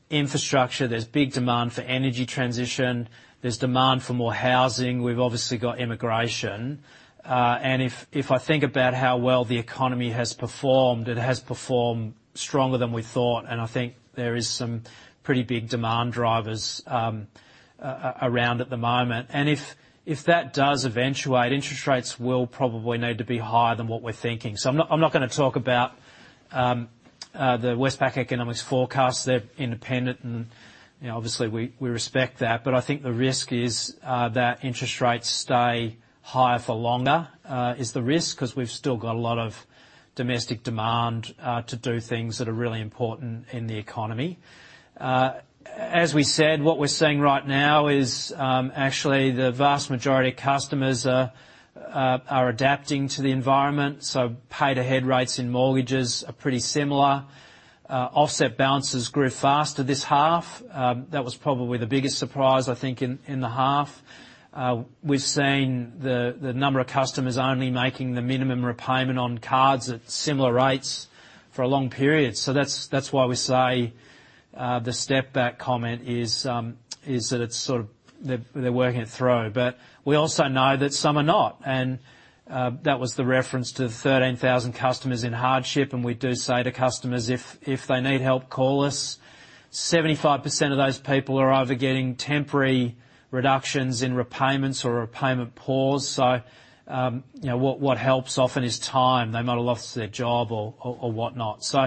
infrastructure, there's big demand for energy transition, there's demand for more housing. We've obviously got immigration. And if I think about how well the economy has performed, it has performed stronger than we thought, and I think there is some pretty big demand drivers around at the moment. And if that does eventuate, interest rates will probably need to be higher than what we're thinking. So I'm not going to talk about the Westpac economics forecast. They're independent and, you know, obviously we respect that. I think the risk is that interest rates stay higher for longer, 'cause we've still got a lot of domestic demand to do things that are really important in the economy. As we said, what we're seeing right now is, actually, the vast majority of customers are adapting to the environment, so paid ahead rates in mortgages are pretty similar. Offset balances grew faster this half. That was probably the biggest surprise, I think, in the half. We've seen the number of customers only making the minimum repayment on cards at similar rates for a long period. So that's why we say the step back comment is that it's sort of... They're working it through. But we also know that some are not, and that was the reference to the 13,000 customers in hardship, and we do say to customers, "If they need help, call us." 75% of those people are either getting temporary reductions in repayments or a repayment pause. So, you know, what helps often is time. They might have lost their job or whatnot. So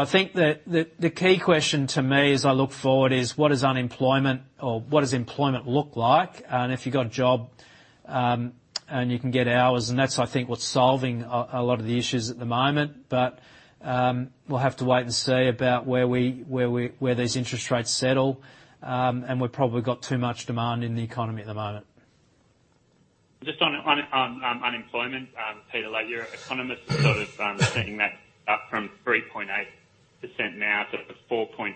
I think the key question to me as I look forward is: What does unemployment or what does employment look like? And if you've got a job, and you can get hours, and that's, I think, what's solving a lot of the issues at the moment. But we'll have to wait and see about where these interest rates settle. We've probably got too much demand in the economy at the moment. Just on unemployment, Peter, like your economists have sort of seen that up from 3.8% now to 4.7%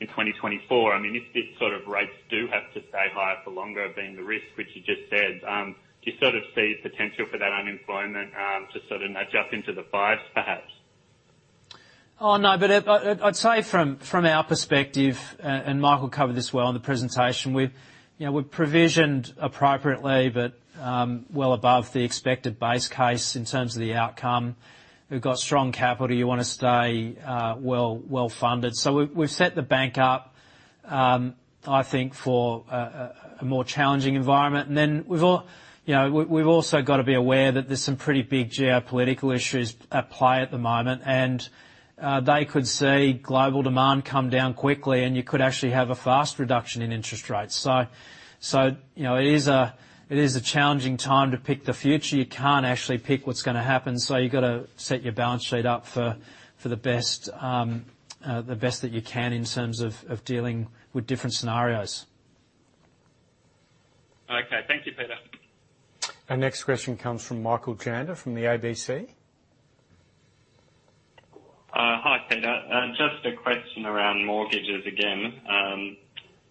in 2024. I mean, if these sort of rates do have to stay higher for longer, being the risk, which you just said, do you sort of see potential for that unemployment to sort of adjust into the 5s, perhaps? Oh, no, but I’d say from our perspective, and Michael covered this well in the presentation. You know, we’ve provisioned appropriately, but well above the expected base case in terms of the outcome. We’ve got strong capital. You want to stay well-funded. So we’ve set the bank up, I think, for a more challenging environment. And then we’ve also got to be aware that there’s some pretty big geopolitical issues at play at the moment, and they could see global demand come down quickly, and you could actually have a fast reduction in interest rates. So, you know, it is a challenging time to pick the future. You can't actually pick what's going to happen, so you've got to set your balance sheet up for the best that you can in terms of dealing with different scenarios. Okay. Thank you, Peter. Our next question comes from Michael Janda, from the ABC. Hi, Peter. Just a question around mortgages again.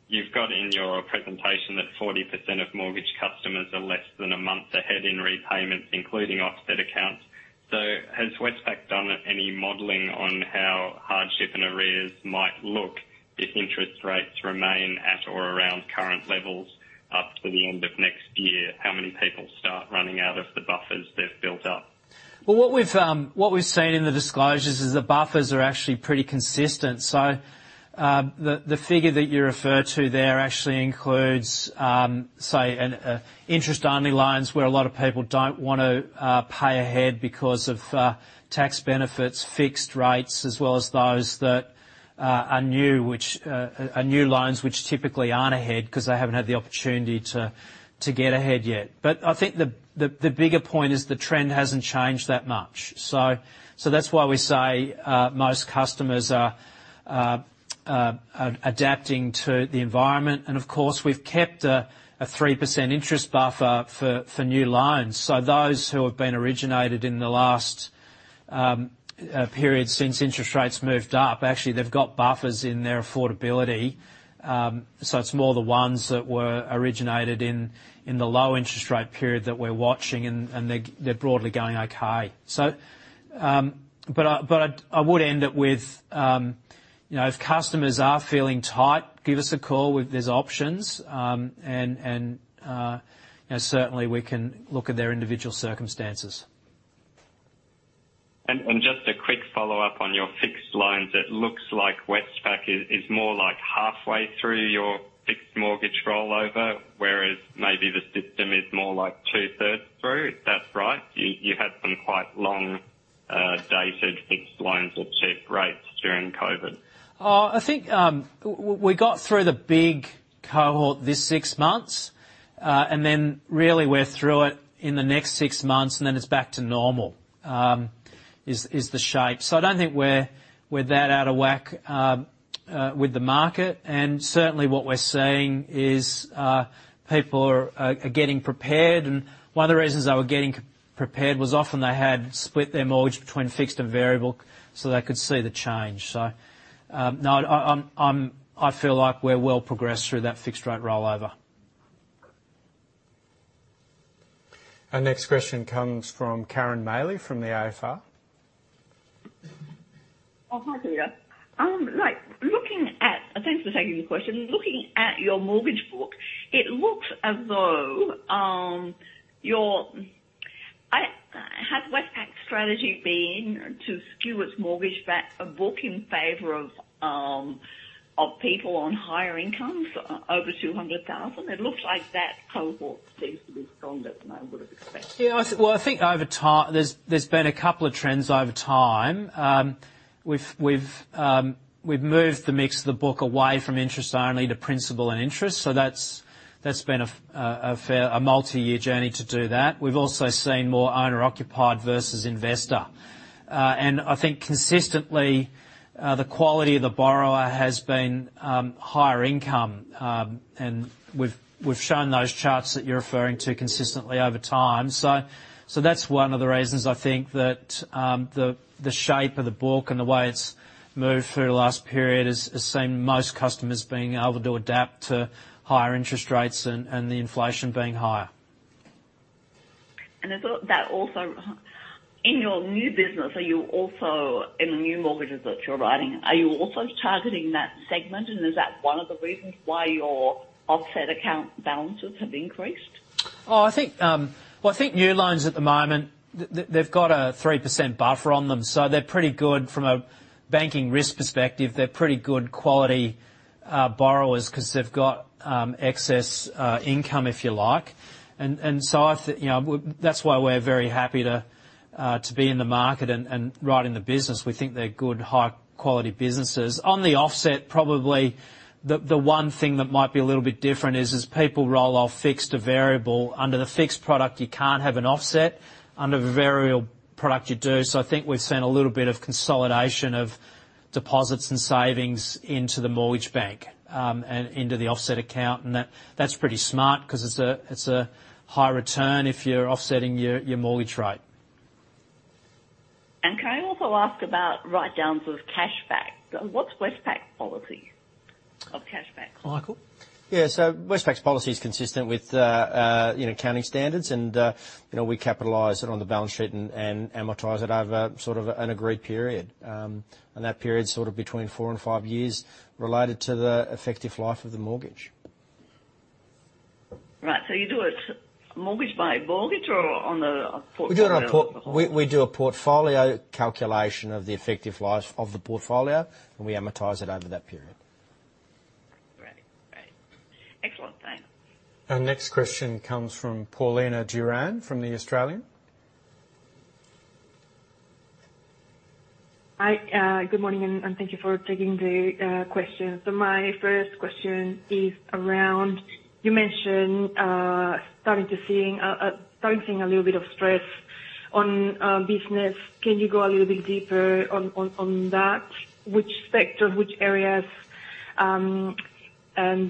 You've got in your presentation that 40% of mortgage customers are less than a month ahead in repayments, including offset accounts. So has Westpac done any modeling on how hardship and arrears might look if interest rates remain at or around current levels up to the end of next year? How many people start running out of the buffers they've built up? Well, what we've seen in the disclosures is the buffers are actually pretty consistent. So, the figure that you refer to there actually includes, say, interest-only loans where a lot of people don't want to pay ahead because of tax benefits, fixed rates, as well as those that are new, which are new loans, which typically aren't ahead because they haven't had the opportunity to get ahead yet. But I think the bigger point is the trend hasn't changed that much. So, that's why we say most customers are adapting to the environment. And of course, we've kept a 3% interest buffer for new loans. So those who have been originated in the last period, since interest rates moved up, actually they've got buffers in their affordability. So it's more the ones that were originated in the low interest rate period that we're watching, and they're broadly going okay. But I would end it with, you know, if customers are feeling tight, give us a call. There's options. And you know, certainly we can look at their individual circumstances. Just a quick follow-up on your fixed loans. It looks like Westpac is more like halfway through your fixed mortgage rollover, whereas maybe the system is more like two-thirds through. If that's right, you had some quite long dated fixed loans at cheap rates during COVID. I think we got through the big cohort this six months, and then really we're through it in the next six months, and then it's back to normal, is the shape. So I don't think we're that out of whack with the market. And certainly what we're seeing is, people are getting prepared, and one of the reasons they were getting prepared was often they had split their mortgage between fixed and variable so they could see the change. So, no, I feel like we're well progressed through that fixed rate rollover. Our next question comes from Karen Maley from the AFR. Oh, hi, Peter. Right, looking at. Thanks for taking the question. Looking at your mortgage book, it looks as though had Westpac's strategy been to skew its mortgage book in favor of people on higher incomes over 200,000? It looks like that cohort seems to be stronger than I would have expected. Yeah, well, I think over time, there's been a couple of trends over time. We've moved the mix of the book away from interest only to principal and interest, so that's been a multi-year journey to do that. We've also seen more owner-occupied versus investor. And I think consistently, the quality of the borrower has been higher income. And we've shown those charts that you're referring to consistently over time. So that's one of the reasons I think that the shape of the book and the way it's moved through the last period has seen most customers being able to adapt to higher interest rates and the inflation being higher. And is that also. In your new business, are you also, in the new mortgages that you're writing, are you also targeting that segment? And is that one of the reasons why your offset account balances have increased? Oh, I think, well, I think new loans at the moment, they've got a 3% buffer on them, so they're pretty good from a banking risk perspective. They're pretty good quality borrowers, 'cause they've got excess income, if you like. And so, you know, that's why we're very happy to be in the market and right in the business. We think they're good, high-quality businesses. On the offset, probably the one thing that might be a little bit different is as people roll off fixed to variable, under the fixed product, you can't have an offset. Under the variable product, you do. So I think we've seen a little bit of consolidation of deposits and savings into the mortgage bank and into the offset account. That, that's pretty smart, 'cause it's a high return if you're offsetting your mortgage rate. I also ask about write-downs of cash back. What's Westpac's policy of cash back? Michael? Yeah, so Westpac's policy is consistent with, you know, accounting standards, and, you know, we capitalize it on the balance sheet and amortize it over sort of an agreed period. And that period's sort of between four and five years related to the effective life of the mortgage. Right. So you do it mortgage by mortgage or on a portfolio- We do a portfolio calculation of the effective life of the portfolio, and we amortize it over that period. Right. Right. Excellent. Thanks. Our next question comes from Paulina Duran from the Australian. Hi, good morning, and thank you for taking the questions. So my first question is around, you mentioned starting to see a little bit of stress on business. Can you go a little bit deeper on that? Which sector, which areas? And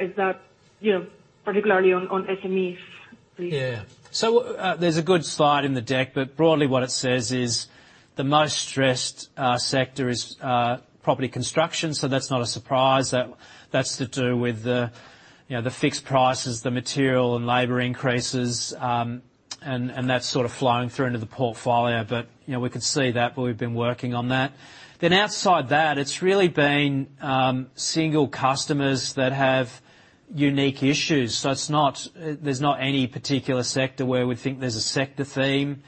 is that, you know, particularly on SMEs, please? Yeah. So, there's a good slide in the deck, but broadly, what it says is, the most stressed sector is property construction, so that's not a surprise. That's to do with the, you know, the fixed prices, the material and labor increases. And that's sort of flowing through into the portfolio. But, you know, we could see that, but we've been working on that. Then outside that, it's really been single customers that have unique issues. So it's not, there's not any particular sector where we think there's a sector theme.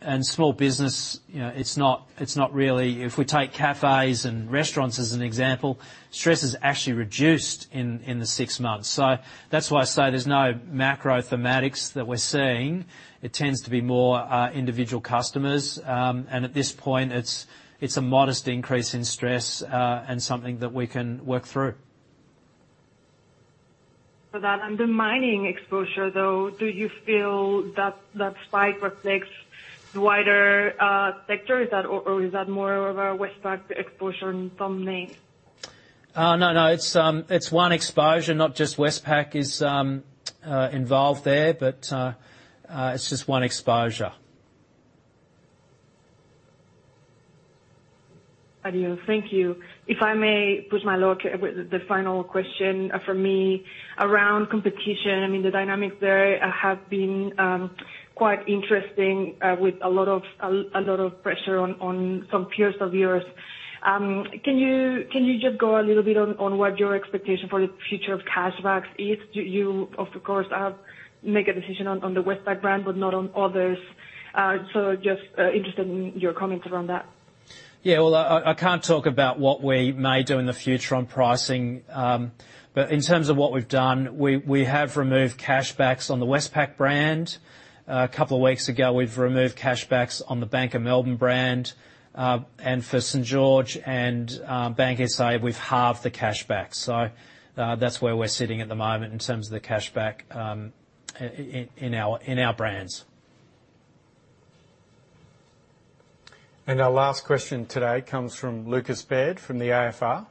And small business, you know, it's not really. If we take cafes and restaurants as an example, stress has actually reduced in the six months. So that's why I say there's no macro thematics that we're seeing. It tends to be more individual customers. At this point, it's a modest increase in stress, and something that we can work through. So that underlying exposure, though, do you feel that that spike reflects the wider sector? Is that or is that more of a Westpac exposure thumbnail? No, no. It's, it's one exposure. Not just Westpac is involved there, but it's just one exposure. Thank you. Thank you. If I may put my last, the final question for me around competition. I mean, the dynamics there have been quite interesting, with a lot of pressure on some peers of yours. Can you just go a little bit on what your expectation for the future of cashbacks is? You, of course, make a decision on the Westpac brand, but not on others. So just interested in your comments around that. Yeah, well, I can't talk about what we may do in the future on pricing. But in terms of what we've done, we have removed cashbacks on the Westpac brand. A couple of weeks ago, we've removed cashbacks on the Bank of Melbourne brand. And for St.George and BankSA, we've halved the cashback. So, that's where we're sitting at the moment in terms of the cashback, in our brands. Our last question today comes from Lucas Baird, from the AFR.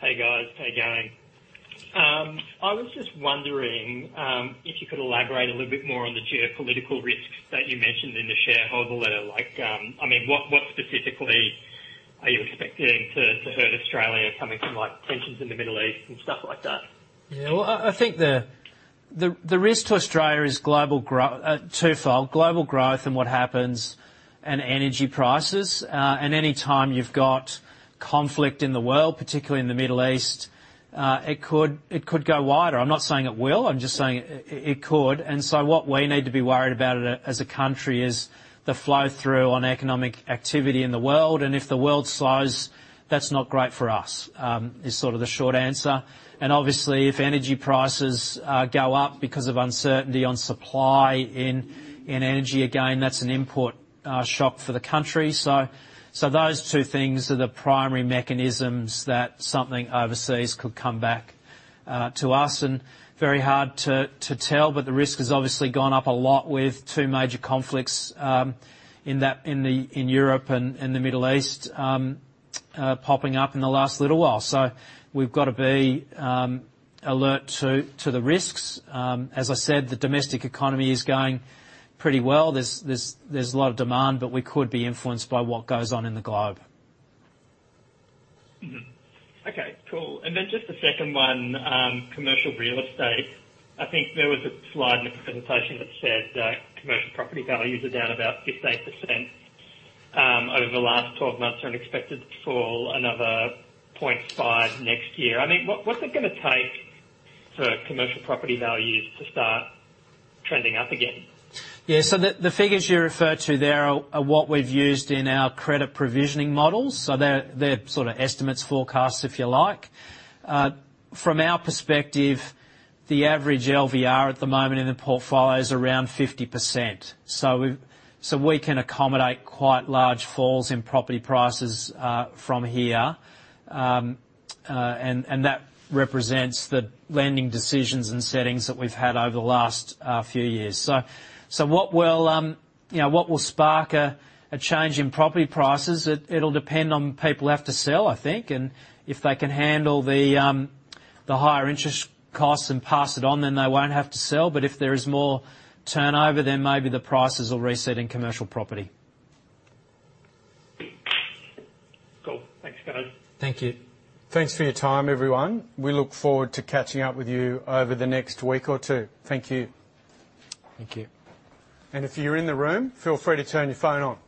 Hey, guys. How you going? I was just wondering if you could elaborate a little bit more on the geopolitical risks that you mentioned in the shareholder letter. Like, I mean, what specifically are you expecting to hurt Australia coming from, like, tensions in the Middle East and stuff like that? Yeah, well, I think the risk to Australia is global growth twofold: global growth and what happens, and energy prices. And any time you've got conflict in the world, particularly in the Middle East, it could go wider. I'm not saying it will, I'm just saying it could. And so what we need to be worried about as a country is the flow-through on economic activity in the world, and if the world slows, that's not great for us, is sort of the short answer. And obviously, if energy prices go up because of uncertainty on supply in energy, again, that's an import shock for the country. So, so those two things are the primary mechanisms that something overseas could come back to us, and very hard to, to tell, but the risk has obviously gone up a lot with two major conflicts in that, in the, in Europe and, and the Middle East popping up in the last little while. So we've got to be alert to, to the risks. As I said, the domestic economy is going pretty well. There's, there's, there's a lot of demand, but we could be influenced by what goes on in the globe. Okay, cool. Then just the second one, commercial real estate. I think there was a slide in the presentation that said, commercial property values are down about 15% over the last 12 months and expected to fall another 0.5% next year. I mean, what's it gonna take for commercial property values to start trending up again? Yeah, so the figures you refer to there are what we've used in our credit provisioning models, so they're sort of estimates, forecasts, if you like. From our perspective, the average LVR at the moment in the portfolio is around 50%. So we can accommodate quite large falls in property prices from here. And that represents the lending decisions and settings that we've had over the last few years. So what will, you know, what will spark a change in property prices? It'll depend on people have to sell, I think, and if they can handle the higher interest costs and pass it on, then they won't have to sell. But if there is more turnover, then maybe the prices will reset in commercial property. Cool. Thanks, guys. Thank you. Thanks for your time, everyone. We look forward to catching up with you over the next week or two. Thank you. Thank you. If you're in the room, feel free to turn your phone on.